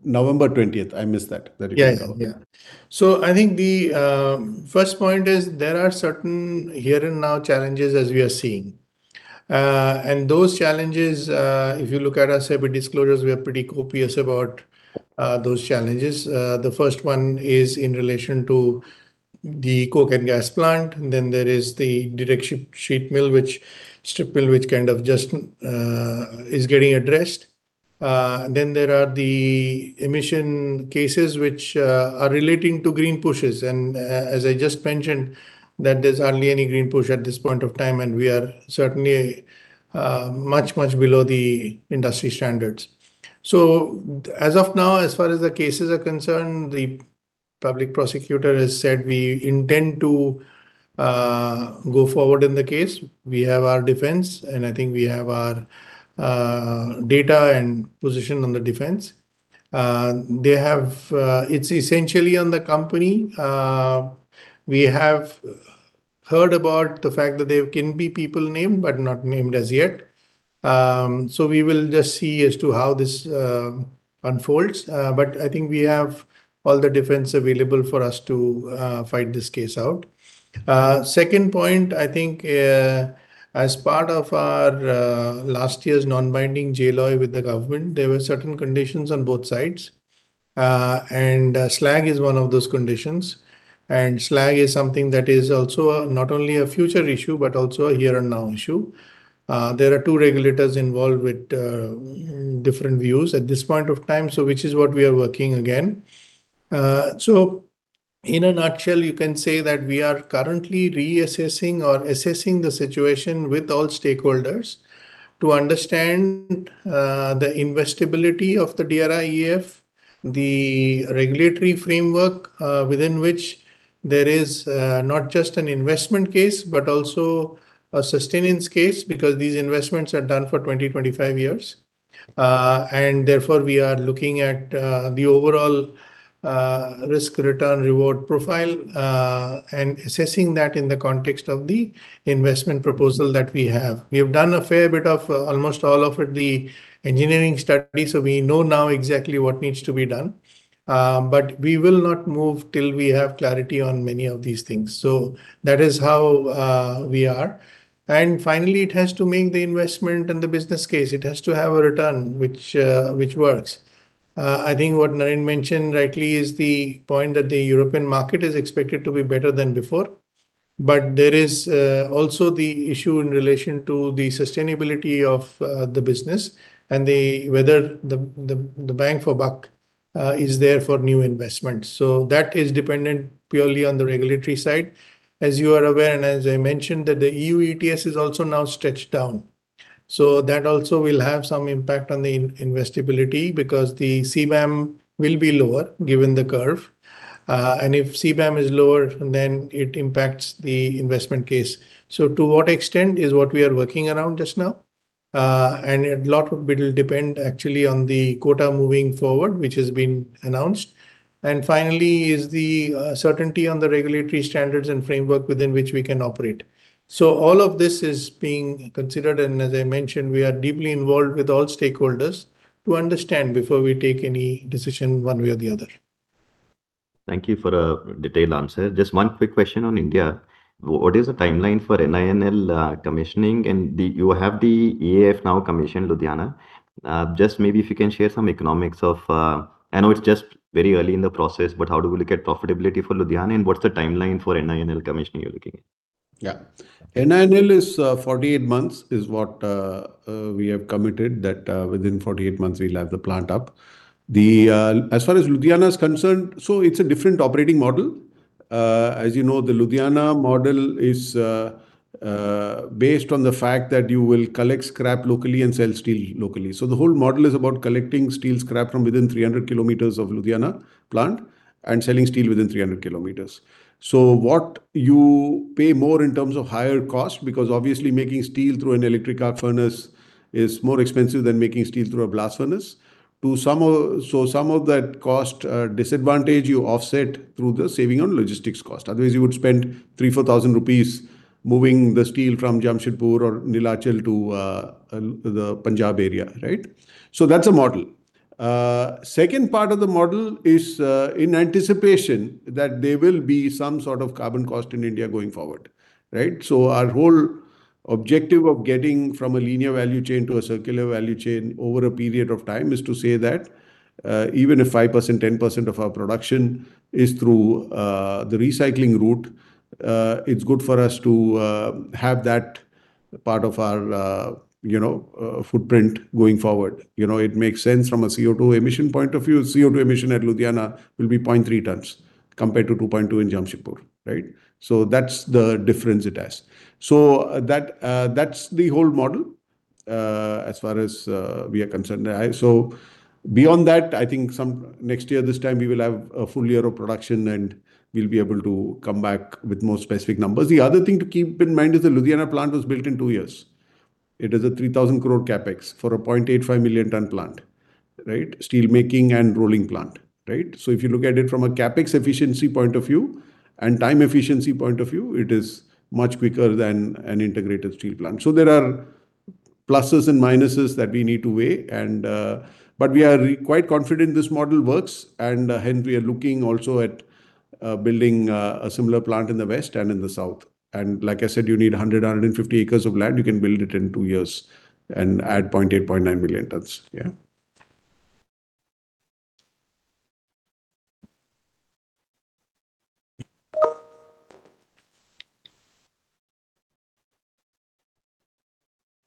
November 20th. I missed that. That you can cover. Yeah. I think the first point is there are certain here and now challenges as we are seeing. Those challenges, if you look at our SEBI disclosures, we are pretty copious about those challenges. The first one is in relation to the coke and gas plant, and then there is the direct sheet mill, strip mill, which kind of just is getting addressed. Then there are the emission cases which are relating to green pushes, and as I just mentioned, there's hardly any green push at this point of time, and we are certainly much, much below the industry standards. As of now, as far as the cases are concerned, the public prosecutor has said, "We intend to go forward in the case." We have our defense, and I think we have our data and position on the defense. It's essentially on the company. We have heard about the fact that there can be people named, but not named as yet. We will just see as to how this unfolds. I think we have all the defense available for us to fight this case out. Second point, I think, as part of our last year's non-binding JLOI with the government, there were certain conditions on both sides. Slag is one of those conditions. Slag is something that is also not only a future issue, but also a here and now issue. There are two regulators involved with different views at this point of time, which is what we are working again. In a nutshell, you can say that we are currently reassessing or assessing the situation with all stakeholders to understand the investibility of the DRI-EAF, the regulatory framework within which there is not just an investment case, but also a sustenance case, because these investments are done for 20, 25 years. Therefore, we are looking at the overall risk return reward profile, and assessing that in the context of the investment proposal that we have. We have done a fair bit of almost all of the engineering studies, so we know now exactly what needs to be done. We will not move till we have clarity on many of these things. That is how we are. Finally, it has to make the investment and the business case. It has to have a return which works. I think what Naren mentioned rightly is the point that the European market is expected to be better than before, but there is also the issue in relation to the sustainability of the business and whether the bang for buck is there for new investments. That is dependent purely on the regulatory side. As you are aware, as I mentioned, the EU ETS is also now stretched down. That also will have some impact on the investibility because the CBAM will be lower given the curve. If CBAM is lower, then it impacts the investment case. To what extent is what we are working around just now. A lot will depend actually on the quota moving forward, which has been announced. Finally, is the certainty on the regulatory standards and framework within which we can operate. All of this is being considered, as I mentioned, we are deeply involved with all stakeholders to understand before we take any decision one way or the other. Thank you for a detailed answer. Just one quick question on India. What is the timeline for NINL commissioning and you have the EAF now commissioned Ludhiana. Maybe if you can share some economics of, I know it's just very early in the process, how do we look at profitability for Ludhiana, and what's the timeline for NINL commissioning you're looking at? Yeah. NINL is 48 months is what we have committed that within 48 months we will have the plant up. As far as Ludhiana is concerned, it's a different operating model. As you know, the Ludhiana model is based on the fact that you will collect scrap locally and sell steel locally. The whole model is about collecting steel scrap from within 300 km of Ludhiana plant and selling steel within 300 km. What you pay more in terms of higher cost, because obviously making steel through an electric arc furnace is more expensive than making steel through a blast furnace. Some of that cost disadvantage you offset through the saving on logistics cost. Otherwise, you would spend 3,000, 4,000 rupees moving the steel from Jamshedpur or Neelachal to the Punjab area. Right? That's a model. Second part of the model is in anticipation that there will be some sort of carbon cost in India going forward. Right? Our whole objective of getting from a linear value chain to a circular value chain over a period of time is to say that even if 5%, 10% of our production is through the recycling route, it's good for us to have that part of our footprint going forward. It makes sense from a CO2 emission point of view. CO2 emission at Ludhiana will be 0.3 tons compared to 2.2 tons in Jamshedpur. Right? That's the difference it has. That's the whole model, as far as we are concerned. Beyond that, I think next year this time, we will have a full year of production, and we will be able to come back with more specific numbers. The other thing to keep in mind is the Ludhiana plant was built in two years. It is an 3,000 crore CapEx for a 0.85 million ton plant. Right? Steelmaking and rolling plant. Right? If you look at it from a CapEx efficiency point of view and time efficiency point of view, it is much quicker than an integrated steel plant. There are pluses and minuses that we need to weigh, we are quite confident this model works, hence we are looking also at building a similar plant in the west and in the south. Like I said, you need 100 acres, 150 acres of land. You can build it in two years and add 0.8 million tons, 0.9 million tons. Yeah.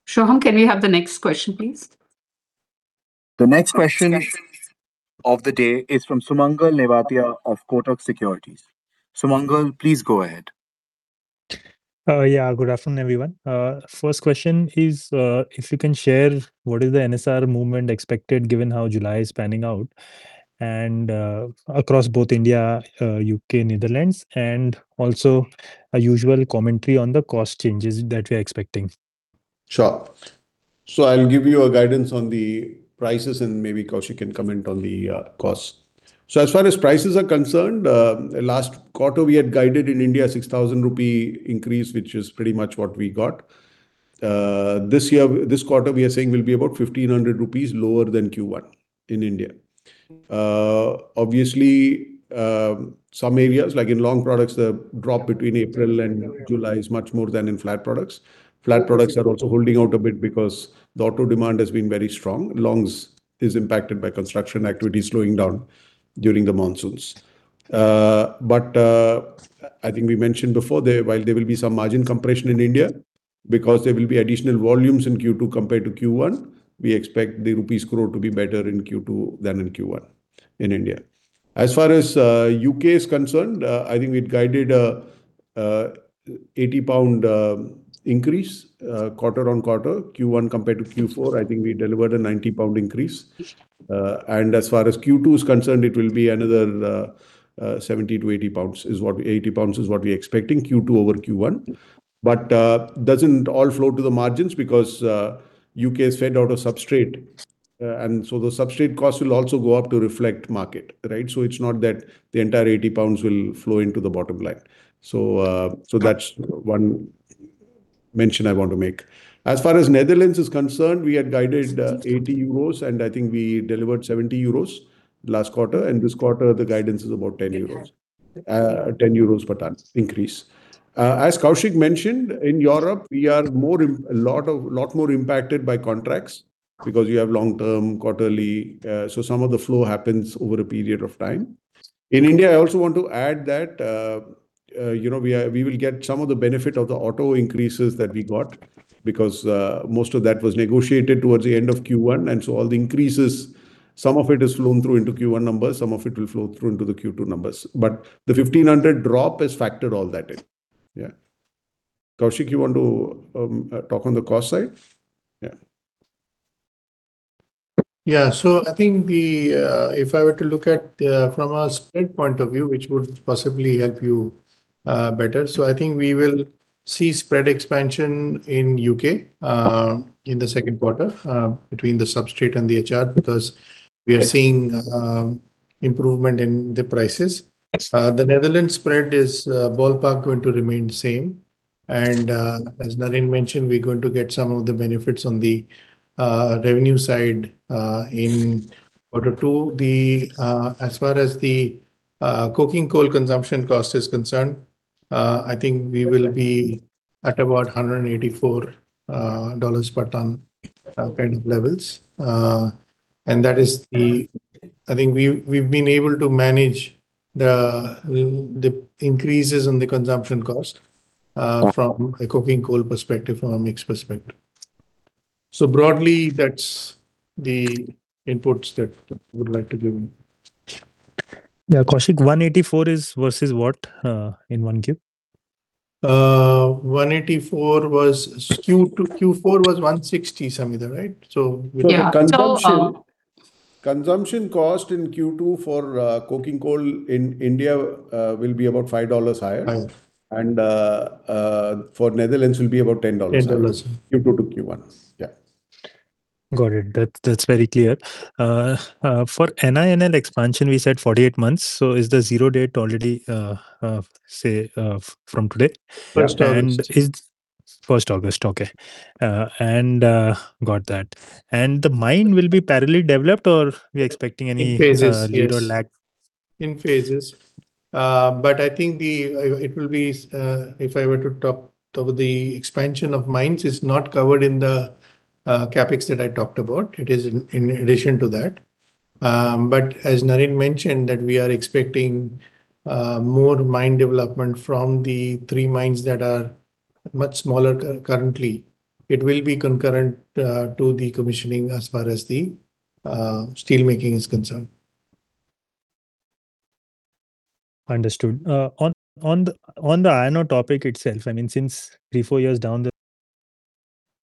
Soham, can we have the next question, please? The next question of the day is from Sumangal Nevatia of Kotak Securities. Sumangal, please go ahead. Yeah. Good afternoon, everyone. First question is, if you can share what is the NSR movement expected given how July is panning out across both India, U.K., Netherlands, and also a usual commentary on the cost changes that we are expecting. Sure. I'll give you a guidance on the prices and maybe Koushik can comment on the costs. As far as prices are concerned, last quarter we had guided in India 6,000 rupee increase, which is pretty much what we got. This quarter we are saying will be about 1,500 rupees lower than Q1 in India. Obviously, some areas, like in long products, the drop between April and July is much more than in flat products. Flat products are also holding out a bit because the auto demand has been very strong. Longs is impacted by construction activity slowing down during the monsoons. I think we mentioned before, while there will be some margin compression in India because there will be additional volumes in Q2 compared to Q1, we expect the rupees growth to be better in Q2 than in Q1 in India. As far as U.K. is concerned, I think we'd guided a 80 pound increase quarter-on-quarter. Q1 compared to Q4, I think we delivered a 90 pound increase. As far as Q2 is concerned, it will be another 70-80 pounds. GBP 80 Is what we're expecting Q2 over Q1. It doesn't all flow to the margins because U.K. has fed out a substrate, the substrate cost will also go up to reflect market, right? It's not that the entire 80 pounds will flow into the bottom line. That's one mention I want to make. As far as Netherlands is concerned, we had guided 80 euros, I think we delivered 70 euros last quarter, and this quarter, the guidance is about 10 euros per ton increase. As Koushik mentioned, in Europe, we are a lot more impacted by contracts because you have long-term quarterly, some of the flow happens over a period of time. In India, I also want to add that we will get some of the benefit of the auto increases that we got because most of that was negotiated towards the end of Q1, all the increases, some of it is flown through into Q1 numbers, some of it will flow through into the Q2 numbers. The 1,500 drop has factored all that in. Yeah. Koushik, you want to talk on the cost side? Yeah. Yeah. I think if I were to look at it from a spread point of view, which would possibly help you better, I think we will see spread expansion in U.K. in the second quarter between the substrate and the HR because we are seeing improvement in the prices. The Netherlands spread is ballpark going to remain the same. As Naren mentioned, we're going to get some of the benefits on the revenue side in quarter two. As far as the coking coal consumption cost is concerned, I think we will be at about $184 per ton kind of levels. I think we've been able to manage the increases in the consumption cost from a coking coal perspective or a mix perspective. Broadly, that's the inputs that I would like to give. Yeah. Koushik, $184 is versus what in 1Q? $184 was Q2. Q4 was $160, Samita, right? Yeah, total. Consumption cost in Q2 for coking coal in India will be about $5 higher. $5. For Netherlands will be about $10 higher. $10. Q2-Q1. Got it. That is very clear. For NINL expansion, we said 48 months. Is the zero date already, say, from today? 1st August. 1st August. Okay. Got that. The mine will be parallel developed or we're expecting any- In phases. Yes. ...lead or lag? In phases. I think if I were to talk about the expansion of mines, it is not covered in the CapEx that I talked about. It is in addition to that. As Naren mentioned, that we are expecting more mine development from the three mines that are much smaller currently. It will be concurrent to the commissioning as far as the steelmaking is concerned. Understood. On the iron ore topic itself, since three, four years down the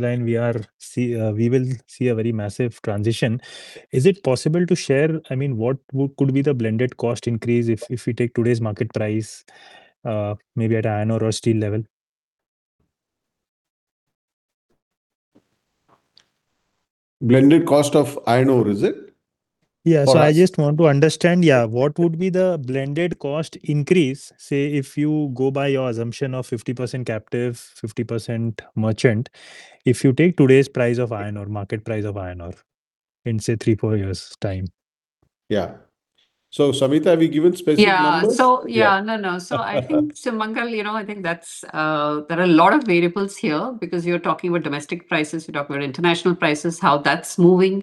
line, we will see a very massive transition. Is it possible to share what could be the blended cost increase if we take today's market price, maybe at iron ore or steel level? Blended cost of iron ore, is it? Yeah. I just want to understand, what would be the blended cost increase, say if you go by your assumption of 50% captive, 50% merchant, if you take today's price of iron ore, market price of iron ore, in say three, four years' time? Yeah. Samita, have you given specific numbers? Yeah. No. I think Sumangal, I think there are a lot of variables here because you're talking about domestic prices, you're talking about international prices, how that's moving.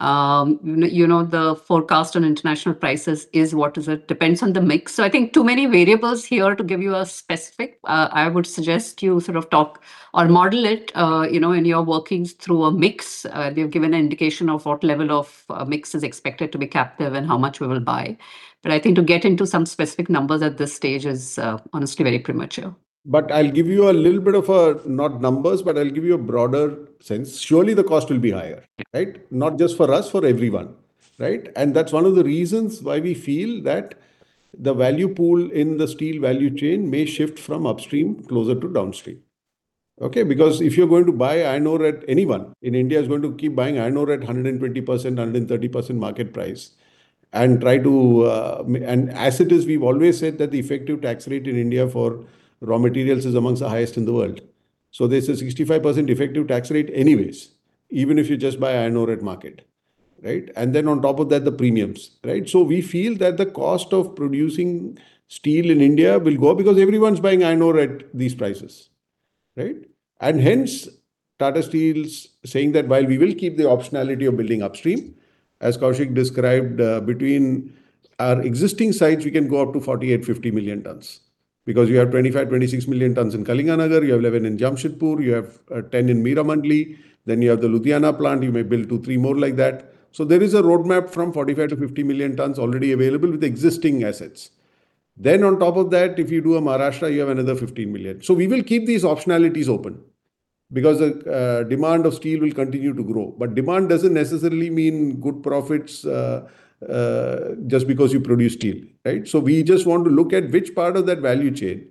The forecast on international prices is what is it? Depends on the mix. I think too many variables here to give you a specific. I would suggest you sort of talk or model it, in your workings through a mix. We have given an indication of what level of mix is expected to be captive and how much we will buy. I think to get into some specific numbers at this stage is honestly very premature. I'll give you a little bit of a, not numbers, but I'll give you a broader sense. Surely the cost will be higher, right? Not just for us, for everyone. Right? That's one of the reasons why we feel that the value pool in the steel value chain may shift from upstream closer to downstream. Okay? Because if you're going to buy iron ore, anyone in India is going to keep buying iron ore at 120%, 130% market price, and as it is, we've always said that the effective tax rate in India for raw materials is amongst the highest in the world. There's a 65% effective tax rate anyways, even if you just buy iron ore at market, right? Then on top of that, the premiums, right? We feel that the cost of producing steel in India will go up because everyone's buying iron ore at these prices, right? Hence Tata Steel's saying that while we will keep the optionality of building upstream, as Koushik described, between our existing sites, we can go up to 48 million tons, 50 million tons because you have 25 million tons, 26 million tons in Kalinganagar, you have 11 million tons in Jamshedpur, you have 10 million tons in Meramandali, then you have the Ludhiana plant, you may build two, three more like that. There is a roadmap from 45 million tons-50 million tons already available with existing assets. On top of that, if you do a Maharashtra, you have another 15 million. We will keep these optionalities open because demand of steel will continue to grow, but demand doesn't necessarily mean good profits just because you produce steel, right? We just want to look at which part of that value chain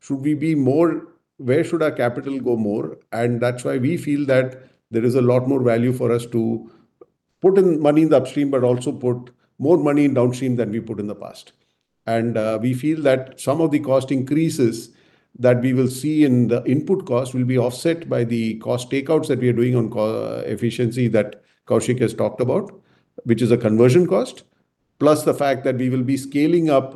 should we be more, where should our capital go more, and that's why we feel that there is a lot more value for us to put in money in the upstream, but also put more money in downstream than we put in the past. We feel that some of the cost increases that we will see in the input cost will be offset by the cost takeouts that we are doing on efficiency that Koushik has talked about, which is a conversion cost, plus the fact that we will be scaling up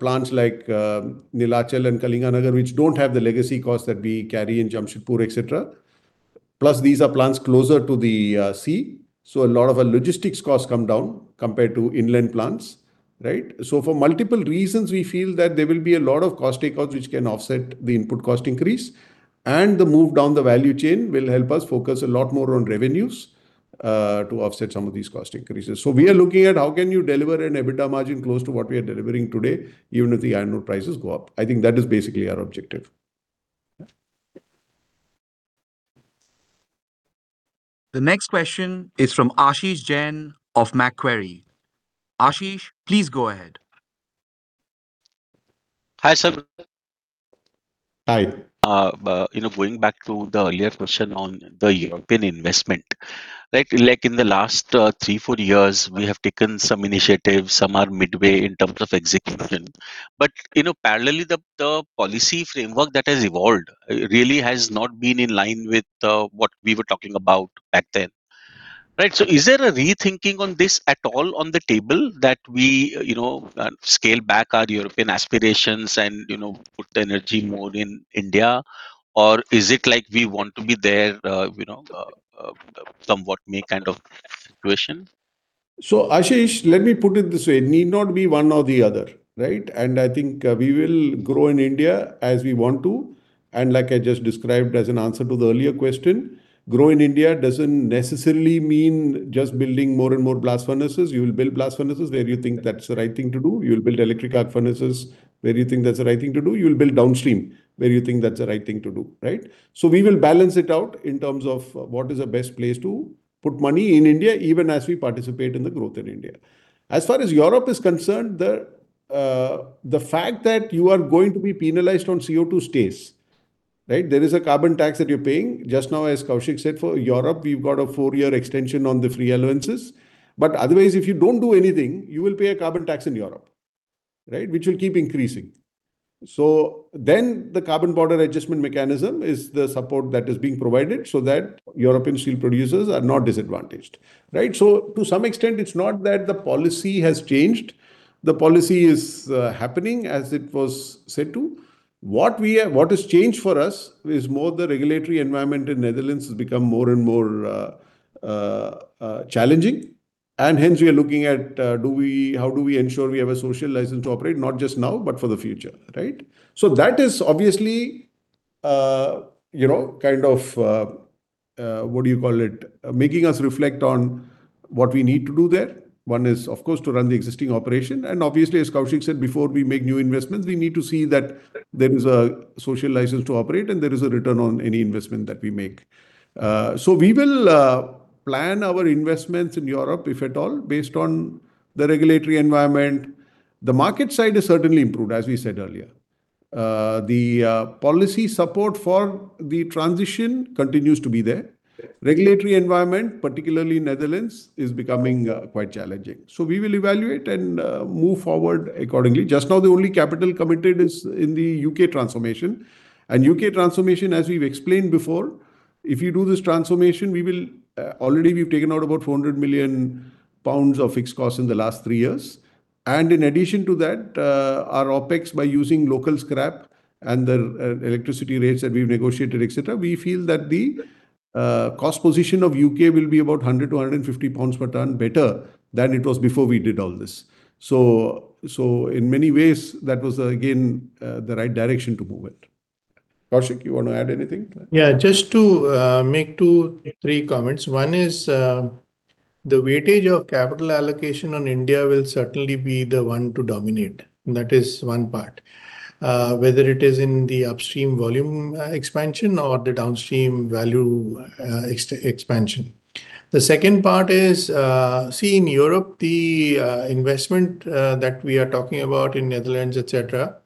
plants like Neelachal and Kalinganagar, which don't have the legacy cost that we carry in Jamshedpur, etc. Plus, these are plants closer to the sea, so a lot of our logistics costs come down compared to inland plants, right? For multiple reasons, we feel that there will be a lot of cost takeouts which can offset the input cost increase, the move down the value chain will help us focus a lot more on revenues to offset some of these cost increases. We are looking at how can you deliver an EBITDA margin close to what we are delivering today, even if the iron ore prices go up. I think that is basically our objective. Yeah. The next question is from Ashish Jain of Macquarie. Ashish, please go ahead. Hi, Sir. Hi. Going back to the earlier question on the European investment. In the last three, four years, we have taken some initiatives, some are midway in terms of execution, but parallelly the policy framework that has evolved really has not been in line with what we were talking about back then. Right? Is there a rethinking on this at all on the table that we scale back our European aspirations and put the energy more in India? Or is it like we want to be there somewhat kind of situation? Ashish, let me put it this way, need not be one or the other, right? I think we will grow in India as we want to, and like I just described as an answer to the earlier question, grow in India doesn't necessarily mean just building more and more blast furnaces. You'll build blast furnaces where you think that's the right thing to do. You'll build electric arc furnaces where you think that's the right thing to do. You'll build downstream where you think that's the right thing to do. Right? We will balance it out in terms of what is the best place to put money in India, even as we participate in the growth in India. As far as Europe is concerned, the fact that you are going to be penalized on CO2 stays, right? There is a carbon tax that you're paying. Just now, as Koushik said, for Europe, we've got a four-year extension on the free allowances. Otherwise, if you don't do anything, you will pay a carbon tax in Europe, right, which will keep increasing. The carbon border adjustment mechanism is the support that is being provided so that European steel producers are not disadvantaged. Right? To some extent, it's not that the policy has changed. The policy is happening as it was said to. What has changed for us is more the regulatory environment in Netherlands has become more and more challenging, and hence we are looking at how do we ensure we have a social license to operate, not just now, but for the future, right? That is obviously making us reflect on what we need to do there. One is, of course, to run the existing operation, obviously, as Koushik said, before we make new investments, we need to see that there is a social license to operate and there is a return on any investment that we make. We will plan our investments in Europe, if at all, based on the regulatory environment. The market side has certainly improved, as we said earlier. The policy support for the transition continues to be there. Yeah. Regulatory environment, particularly Netherlands, is becoming quite challenging. We will evaluate and move forward accordingly. Just now, the only capital committed is in the U.K. transformation. U.K. transformation, as we've explained before, if you do this transformation, already we've taken out about 400 million pounds of fixed costs in the last three years. In addition to that, our OpEx, by using local scrap and the electricity rates that we've negotiated, etc, we feel that the cost position of U.K. will be about 100-150 pounds per ton better than it was before we did all this. In many ways, that was again the right direction to move it. Koushik, you want to add anything to that? Yeah, just to make two, three comments. One is, the weightage of capital allocation on India will certainly be the one to dominate. That is one part. Whether it is in the upstream volume expansion or the downstream value expansion. The second part is, see, in Europe, the investment that we are talking about in Netherlands, etc,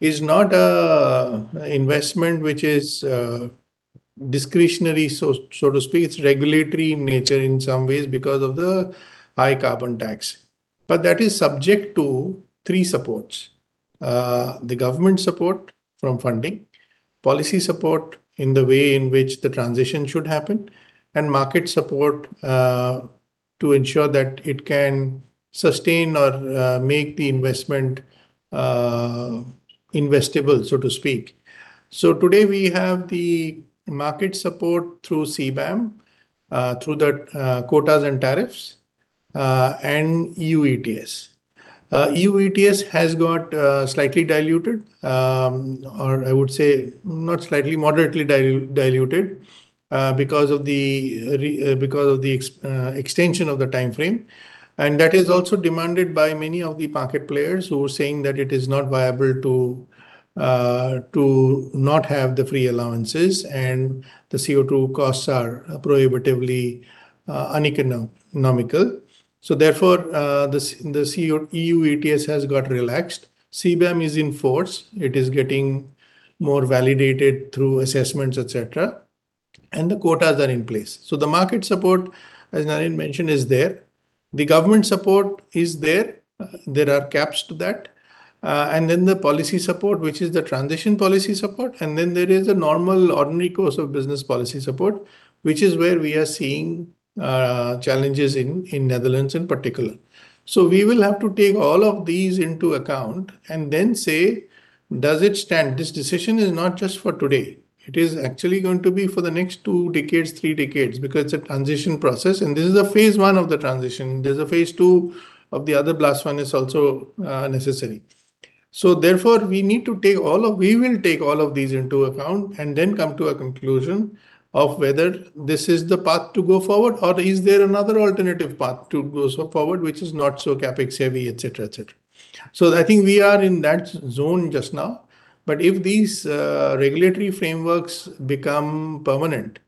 is not an investment which is discretionary, so to speak. It's regulatory in nature in some ways because of the high carbon tax. That is subject to three supports. The government support from funding, policy support in the way in which the transition should happen, and market support to ensure that it can sustain or make the investment investable, so to speak. Today, we have the market support through CBAM, through the quotas and tariffs, and EU ETS. EU ETS has got slightly diluted, or I would say not slightly, moderately diluted, because of the extension of the timeframe, and that is also demanded by many of the market players who are saying that it is not viable to not have the free allowances, and the CO2 costs are prohibitively uneconomical. The EU ETS has got relaxed. CBAM is in force. It is getting more validated through assessments, etc, and the quotas are in place. The market support, as Naren mentioned, is there. The government support is there. There are caps to that. Then the policy support, which is the transition policy support, and then there is a normal, ordinary course of business policy support, which is where we are seeing challenges in Netherlands in particular. We will have to take all of these into account and then say, does it stand? This decision is not just for today. It is actually going to be for the next two decades, three decades, because it's a transition process, and this is a phase I of the transition. There's a phase II of the other blast furnace also necessary. We will take all of these into account and then come to a conclusion of whether this is the path to go forward or is there another alternative path to go so forward which is not so CapEx heavy, etc. I think we are in that zone just now, but if these regulatory frameworks become permanent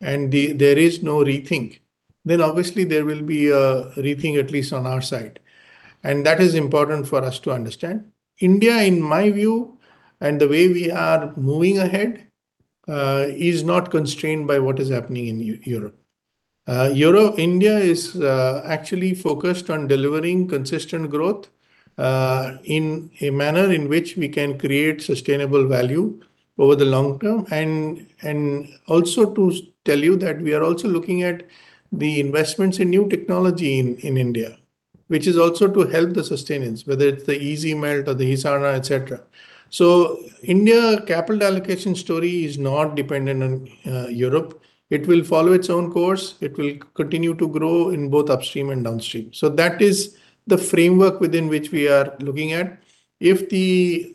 and there is no rethink, then obviously there will be a rethink, at least on our side. That is important for us to understand. India, in my view, and the way we are moving ahead, is not constrained by what is happening in Europe. India is actually focused on delivering consistent growth, in a manner in which we can create sustainable value over the long term. Also to tell you that we are also looking at the investments in new technology in India, which is also to help the sustenance, whether it's the EASyMelt or the HIsarna, etc. India capital allocation story is not dependent on Europe. It will follow its own course. It will continue to grow in both upstream and downstream. That is the framework within which we are looking at. If the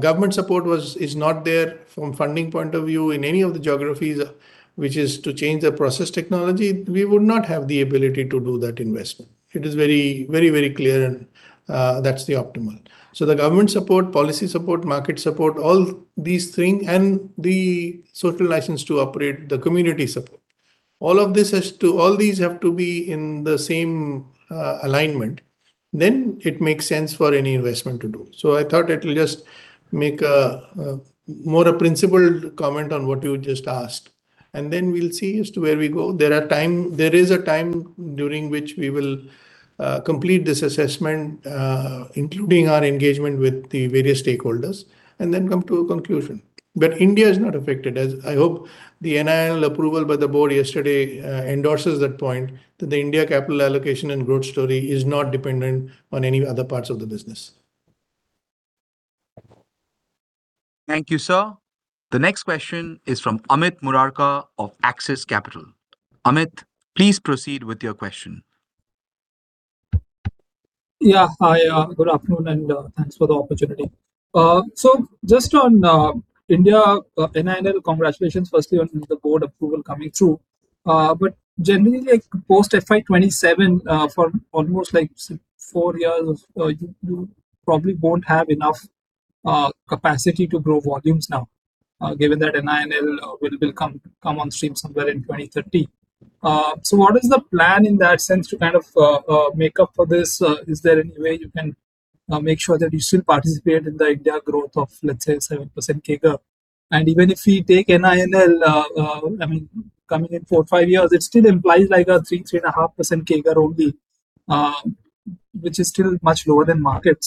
government support is not there from funding point of view in any of the geographies, which is to change the process technology, we would not have the ability to do that investment. It is very clear, and that's the optimal. The government support, policy support, market support, all these things, and the social license to operate the community support. All of these have to be in the same alignment, then it makes sense for any investment to do. I thought I'll just make a more principled comment on what you just asked, and then we'll see as to where we go. There is a time during which we will complete this assessment, including our engagement with the various stakeholders, and then come to a conclusion. India is not affected, as I hope the NINL approval by the Board yesterday endorses that point, that the India capital allocation and growth story is not dependent on any other parts of the business. Thank you, sir. The next question is from Amit Murarka of Axis Capital. Amit, please proceed with your question. Yeah. Hi. Good afternoon, and thanks for the opportunity. Just on India, NINL, congratulations firstly on the Board approval coming through. Generally, post FY 2027, for almost four years, you probably won't have enough capacity to grow volumes now given that NINL will come on stream somewhere in 2030. What is the plan in that sense to kind of make up for this? Is there any way you can make sure that you still participate in the India growth of, let's say, 7% CAGR? Even if we take NINL coming in four or five years, it still implies like a 3.5% CAGR only, which is still much lower than market.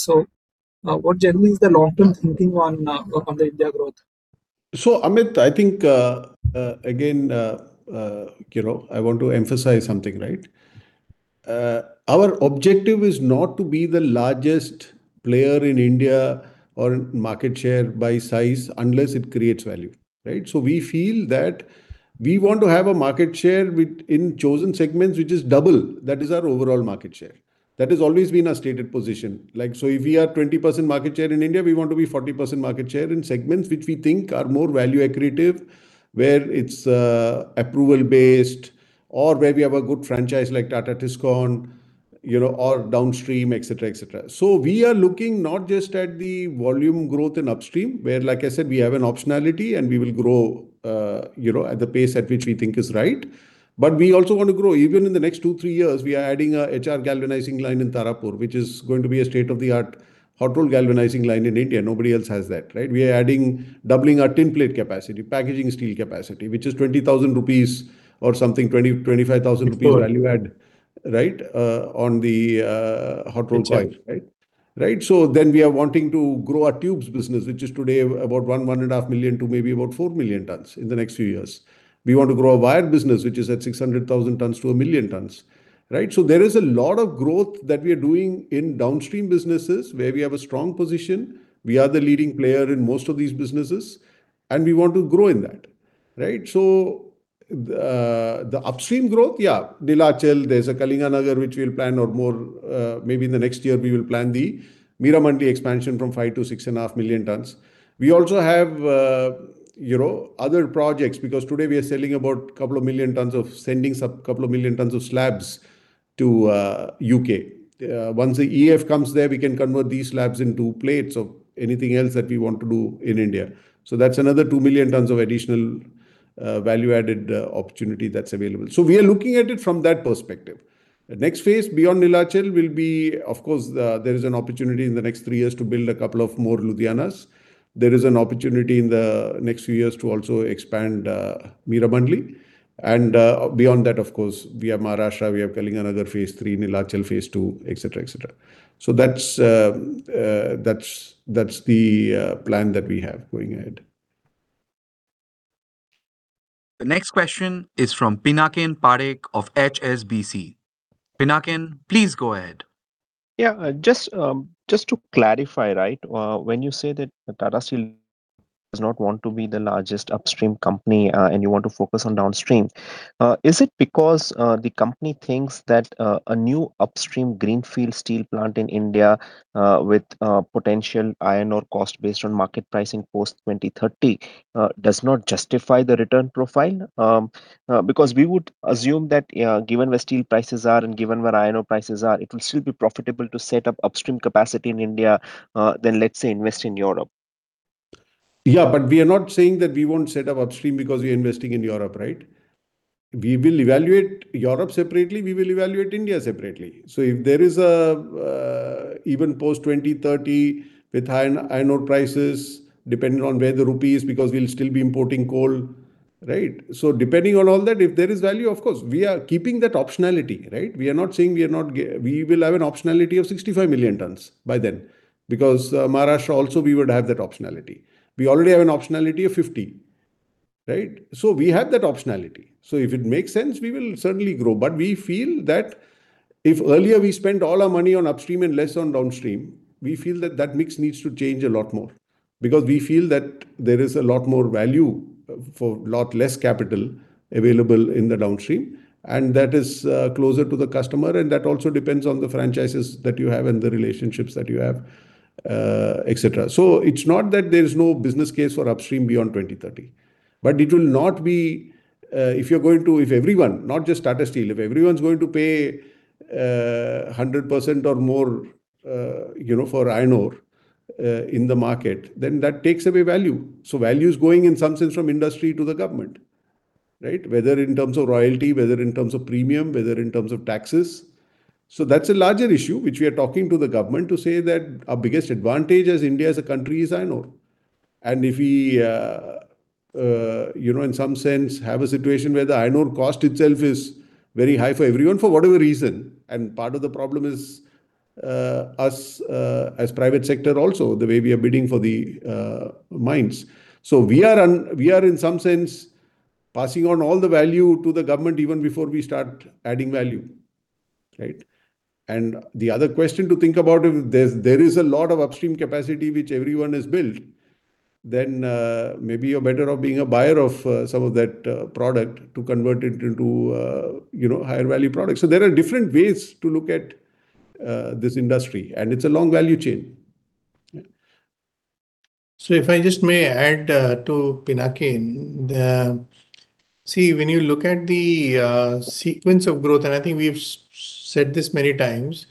What generally is the long-term thinking on the India growth? Amit, I think again, I want to emphasize something. Our objective is not to be the largest player in India or market share by size unless it creates value. Right. We feel that we want to have a market share in chosen segments, which is double, that is our overall market share. That has always been our stated position. If we are 20% market share in India, we want to be 40% market share in segments which we think are more value accretive, where it's approval-based or where we have a good franchise like Tata Tiscon or downstream, etc. We are looking not just at the volume growth in upstream, where, like I said, we have an optionality and we will grow at the pace at which we think is right. We also want to grow even in the next two, three years. We are adding a HR galvanizing line in Tarapur, which is going to be a state-of-the-art hot-rolled galvanizing line in India. Nobody else has that, right. We are doubling our tin plate capacity, packaging steel capacity, which is 20,000 rupees or something, 20,000-25,000 rupees- Sure. ...value add on the hot-rolled coil. We are wanting to grow our tubes business, which is today about one, 1.5 million to maybe about four million tons in the next few years. We want to grow our wire business, which is at 600,000 tons-1 million tons. There is a lot of growth that we are doing in downstream businesses where we have a strong position. We are the leading player in most of these businesses, and we want to grow in that. Right. The upstream growth, yeah, Neelachal, there's a Kalinganagar, which we'll plan or more, maybe in the next year, we will plan the Meramandali expansion from 5 million tons-6.5 million tons. We also have other projects because today we are sending couple of million tons of slabs to U.K. Once the EAF comes there, we can convert these slabs into plates or anything else that we want to do in India. That's another 2 million tons of additional value-added opportunity that's available. We are looking at it from that perspective. The next phase beyond Neelachal will be, of course, there is an opportunity in the next three years to build a couple of more Ludhianas. There is an opportunity in the next few years to also expand Meramandali. Beyond that, of course, we have Maharashtra, we have Kalinganagar phase III, Neelachal phase II, etc. That's the plan that we have going ahead. The next question is from Pinakin Parekh of HSBC. Pinakin, please go ahead. Yeah, just to clarify. When you say that Tata Steel does not want to be the largest upstream company and you want to focus on downstream, is it because the company thinks that a new upstream greenfield steel plant in India with potential iron ore cost based on market pricing post 2030 does not justify the return profile? Because we would assume that given where steel prices are and given where iron ore prices are, it will still be profitable to set up upstream capacity in India than, let's say, invest in Europe. Yeah, we are not saying that we won't set up upstream because we're investing in Europe, right? We will evaluate Europe separately; we will evaluate India separately. If there is, even post 2030 with high iron ore prices, depending on where the rupee is, because we'll still be importing coal, right? Depending on all that, if there is value, of course, we are keeping that optionality. We will have an optionality of 65 million tons by then, because Maharashtra also, we would have that optionality. We already have an optionality of 50 million tons. We have that optionality. If it makes sense, we will certainly grow. We feel that if earlier we spent all our money on upstream and less on downstream, we feel that that mix needs to change a lot more, because we feel that there is a lot more value for a lot less capital available in the downstream, and that is closer to the customer, and that also depends on the franchises that you have and the relationships that you have, etc. It's not that there's no business case for upstream beyond 2030. It will not be, if everyone, not just Tata Steel, if everyone's going to pay 100% or more for iron ore in the market, then that takes away value. Value is going in some sense from industry to the government. Whether in terms of royalty, whether in terms of premium, whether in terms of taxes. That's a larger issue, which we are talking to the government to say that our biggest advantage as India as a country is iron ore. If we, in some sense, have a situation where the iron ore cost itself is very high for everyone for whatever reason, and part of the problem is us as private sector also, the way we are bidding for the mines. We are in some sense passing on all the value to the government even before we start adding value. Right? The other question to think about, if there is a lot of upstream capacity which everyone has built, then maybe you're better off being a buyer of some of that product to convert it into higher value products. There are different ways to look at this industry, and it's a long value chain. If I just may add to Pinakin, the-- When you look at the sequence of growth, and I think we've said this many times,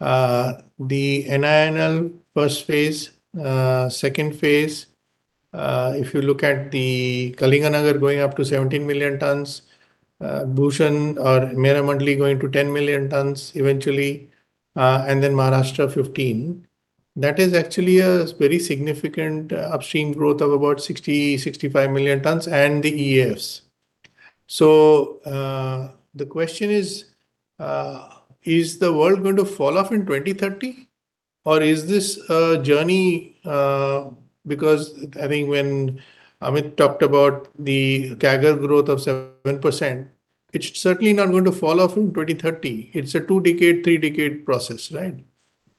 the NINL first phase, second phase, if you look at the Kalinganagar going up to 17 million tons, Bhushan or Meramandali going to 10 million tons eventually, and then Maharashtra 15 million tons, that is actually a very significant upstream growth of about 60 million tons, 65 million tons and the EAFs. The question is: Is the world going to fall off in 2030, or is this a journey? When Amit talked about the CAGR growth of 7%, it's certainly not going to fall off in 2030. It's a two-decade, three-decade process, right?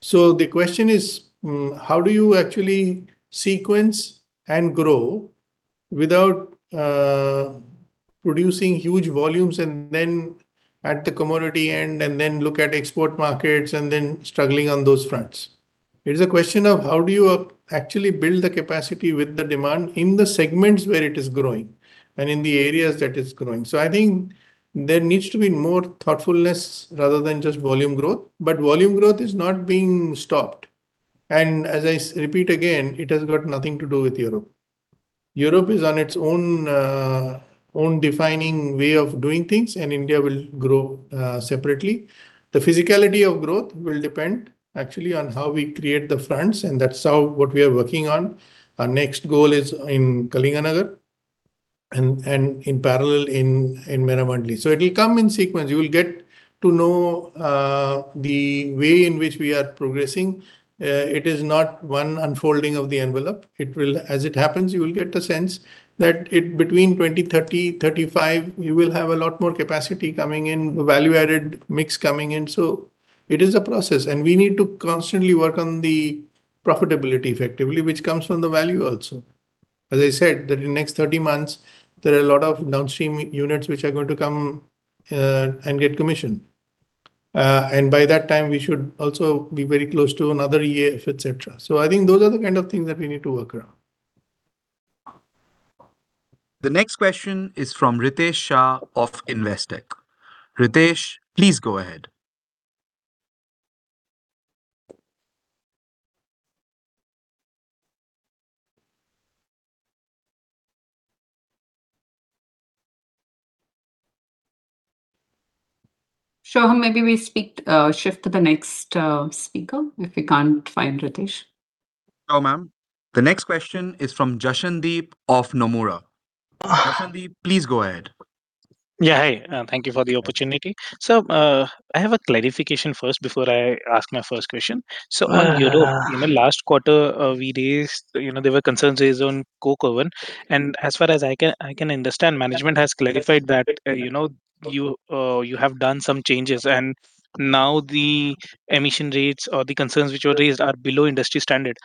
The question is: How do you actually sequence and grow without producing huge volumes at the commodity end, and then look at export markets and then struggling on those fronts? It is a question of how do you actually build the capacity with the demand in the segments where it is growing and in the areas that it's growing. I think there needs to be more thoughtfulness rather than just volume growth, but volume growth is not being stopped. As I repeat again, it has got nothing to do with Europe. Europe is on its own defining way of doing things, and India will grow separately. The physicality of growth will depend actually on how we create the fronts, and that's what we are working on. Our next goal is in Kalinganagar and in parallel in Meramandali. It'll come in sequence. You will get to know the way in which we are progressing. It is not one unfolding of the envelope. As it happens, you will get a sense that between 2030-2035, you will have a lot more capacity coming in, value-added mix coming in. It is a process, we need to constantly work on the profitability effectively, which comes from the value also. As I said, that in the next 30 months, there are a lot of downstream units which are going to come and get commissioned. By that time, we should also be very close to another EAF, etc. I think those are the kind of things that we need to work around. The next question is from Ritesh Shah of Investec. Ritesh, please go ahead. Soham, maybe we shift to the next speaker if we can't find Ritesh. Sure, ma'am. The next question is from Jashandeep of Nomura. Jashandeep, please go ahead. Yeah. Hey, thank you for the opportunity. I have a clarification first before I ask my first question. In the last quarter we raised, there were concerns raised on coke oven, and as far as I can understand, management has clarified that you have done some changes, and now the emission rates or the concerns which were raised are below industry standard.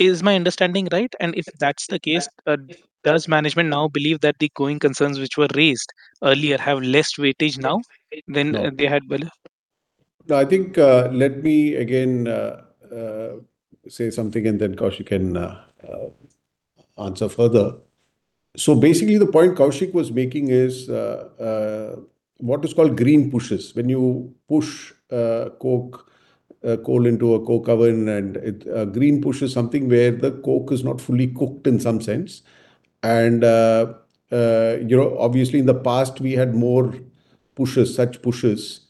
Is my understanding right? If that's the case, does management now believe that the going concerns which were raised earlier have less weightage now than they had before? I think let me again say something, and then Koushik can answer further. Basically, the point Koushik was making is what is called green pushes. When you push coal into a coke oven and a green push is something where the coke is not fully cooked in some sense. Obviously, in the past we had more such pushes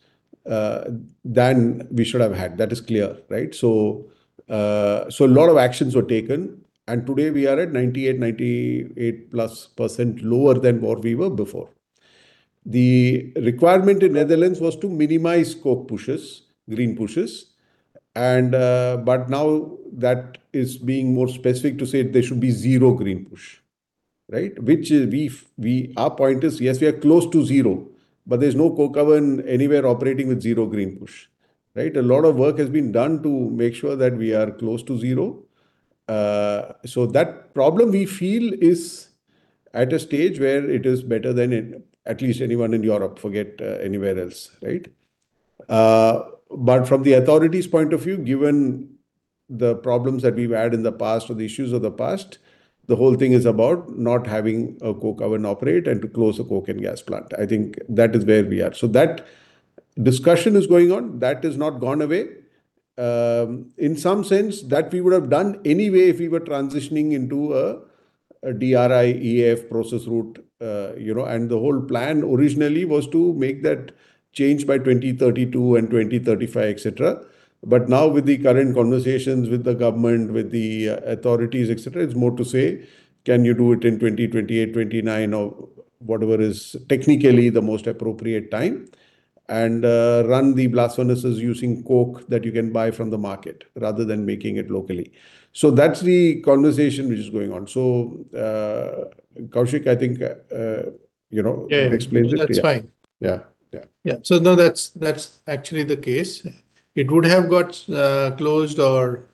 than we should have had. That is clear, right? A lot of actions were taken, and today we are at 98%+ lower than what we were before. The requirement in Netherlands was to minimize coke pushes, green pushes, now that is being more specific to say there should be zero green push. Our point is, yes, we are close to zero, but there's no coke oven anywhere operating with zero green push, right? A lot of work has been done to make sure that we are close to zero. That problem, we feel, is at a stage where it is better than at least anyone in Europe. Forget anywhere else, right? From the authorities' point of view, given the problems that we've had in the past or the issues of the past, the whole thing is about not having a coke oven operate and to close a coke and gas plant. I think that is where we are. That discussion is going on. That has not gone away. In some sense, that we would have done anyway if we were transitioning into a DRI-EAF process route. The whole plan originally was to make that change by 2032 and 2035, etc. Now with the current conversations with the government, with the authorities, etc, it's more to say, "Can you do it in 2028-2029 or whatever is technically the most appropriate time, and run the blast furnaces using coke that you can buy from the market rather than making it locally?" That's the conversation which is going on. Koushik, I think it explains it. That's fine. Yeah. No, that's actually the case. It would have got closed or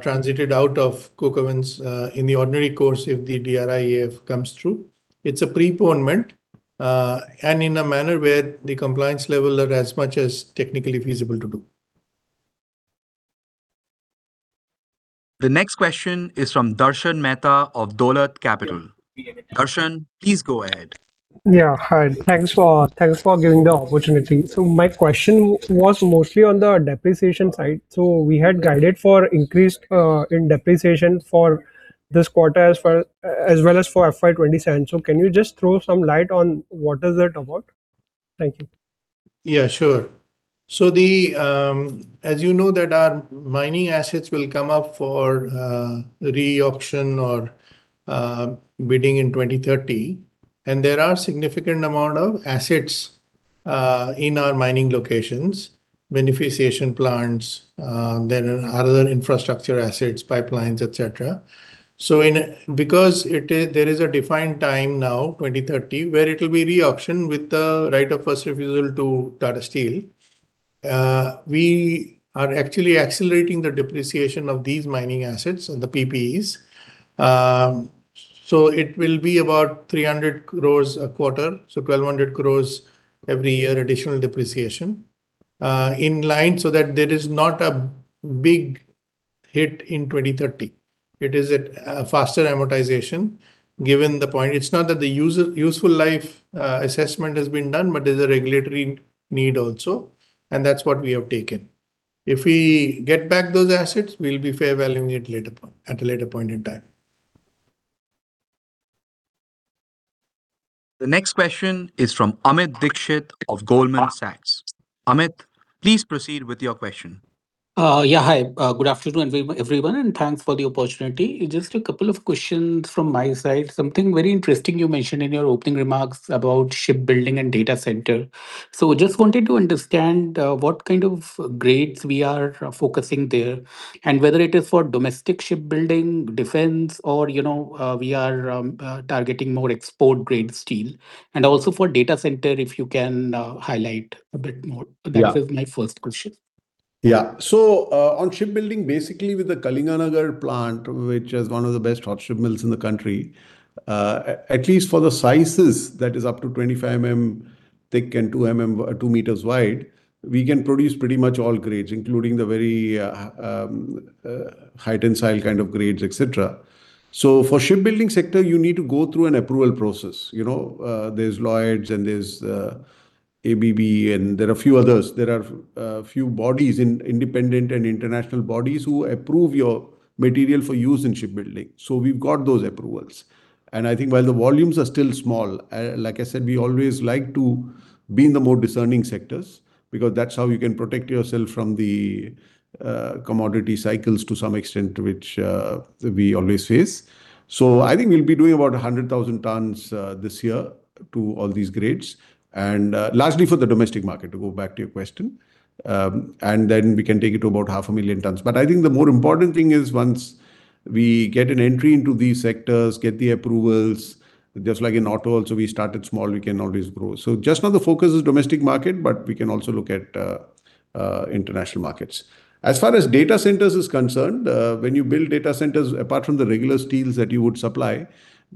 transited out of coke ovens in the ordinary course if the DRI-EAF comes through. It's a preponement, and in a manner where the compliance level are as much as technically feasible to do. The next question is from Darshan Mehta of Dolat Capital. Darshan, please go ahead. Yeah. Hi. Thanks for giving the opportunity. My question was mostly on the depreciation side. We had guided for increased in depreciation for this quarter as well as for FY 2027. Can you just throw some light on what is it about? Thank you. Yeah, sure. As you know that our mining assets will come up for re-auction or bidding in 2030, and there are significant amount of assets in our mining locations, beneficiation plants, then other infrastructure assets, pipelines, etc. Because there is a defined time now, 2030, where it will be re-auctioned with the right of first refusal to Tata Steel, we are actually accelerating the depreciation of these mining assets and the PPEs. It will be about 300 crore a quarter, 1,200 crore every year, additional depreciation in line so that there is not a big hit in 2030. It is at a faster amortization given the point. It is not that the useful life assessment has been done, but there is a regulatory need also, and that is what we have taken. If we get back those assets, we will be fair valuing it at a later point in time. The next question is from Amit Dixit of Goldman Sachs. Amit, please proceed with your question. Yeah. Hi. Good afternoon, everyone, and thanks for the opportunity. Just a couple of questions from my side. Something very interesting you mentioned in your opening remarks about shipbuilding and data center. Just wanted to understand what kind of grades we are focusing there and whether it is for domestic shipbuilding, defense, or we are targeting more export-grade steel. Also for data center, if you can highlight a bit more. Yeah. That is my first question. Yeah. On shipbuilding, basically with the Kalinganagar plant, which is one of the best hot strip mills in the country, at least for the sizes that is up to 25 mm thick and 2 m wide, we can produce pretty much all grades, including the very high tensile kind of grades, etc. For shipbuilding sector, you need to go through an approval process. There's Lloyds and there's [ABS], and there are a few others. There are a few independent and international bodies who approve your material for use in shipbuilding. We've got those approvals. And I think while the volumes are still small, like I said, we always like to be in the more discerning sectors because that's how you can protect yourself from the commodity cycles to some extent to which we always face. I think we'll be doing about 100,000 tons this year to all these grades, largely for the domestic market, to go back to your question, then we can take it to about 500,000 tons. But I think the more important thing is once we get an entry into these sectors, get the approvals, just like in auto also, we started small, we can always grow. Just now the focus is domestic market, but we can also look at international markets. As far as data centers is concerned, when you build data centers, apart from the regular steels that you would supply,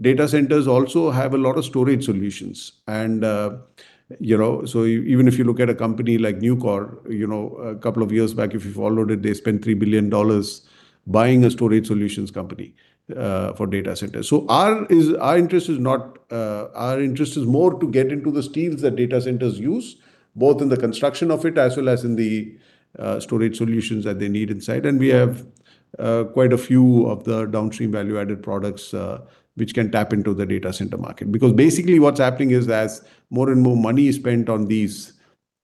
data centers also have a lot of storage solutions. Even if you look at a company like Nucor, a couple of years back, if you followed it, they spent $3 billion buying a storage solutions company for data centers. Our interest is more to get into the steels that data centers use, both in the construction of it as well as in the storage solutions that they need inside. And we have quite a few of the downstream value-added products, which can tap into the data center market. Because basically what's happening is as more and more money is spent on these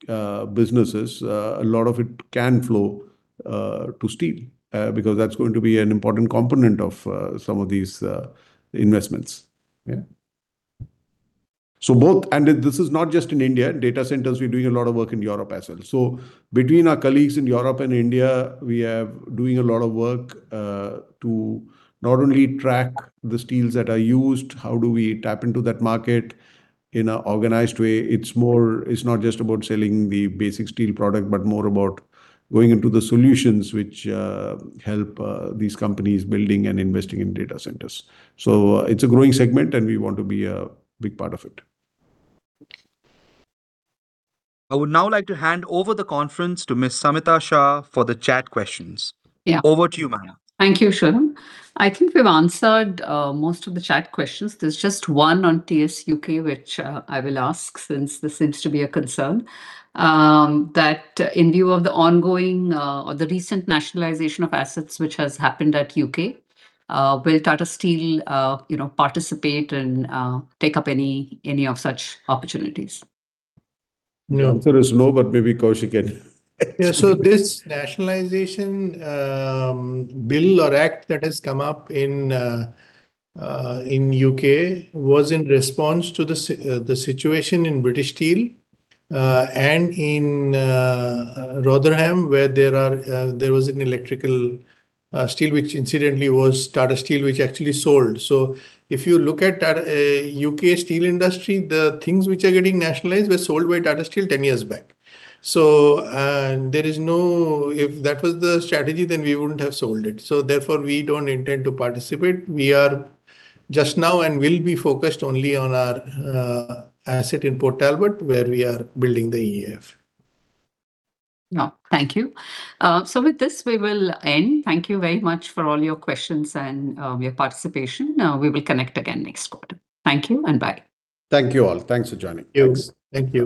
businesses, a lot of it can flow to steel, because that's going to be an important component of some of these investments. Yeah. This is not just in India. Data centers, we're doing a lot of work in Europe as well. Between our colleagues in Europe and India, we are doing a lot of work to not only track the steels that are used, how do we tap into that market in an organized way. It's not just about selling the basic steel product, but more about going into the solutions which help these companies building and investing in data centers. It's a growing segment, and we want to be a big part of it. I would now like to hand over the conference to Ms. Samita Shah for the chat questions. Yeah. Over to you, ma'am. Thank you, Soham. I think we've answered most of the chat questions. There's just one on TSUK, which I will ask, since this seems to be a concern, that in view of the recent nationalization of assets which has happened at U.K., will Tata Steel participate and take up any of such opportunities? The answer is no, but maybe Koushik can- This nationalization bill or act that has come up in U.K. was in response to the situation in British Steel and in Rotherham, where there was an electrical steel, which incidentally was Tata Steel, which actually sold. If you look at U.K. steel industry, the things which are getting nationalized were sold by Tata Steel 10 years back. If that was the strategy, then we wouldn't have sold it. Therefore, we don't intend to participate. We are just now and will be focused only on our asset in Port Talbot where we are building the EAF. Yeah. Thank you. With this, we will end. Thank you very much for all your questions and your participation. We will connect again next quarter. Thank you, and bye. Thank you, all. Thanks for joining. Thanks. Thank you.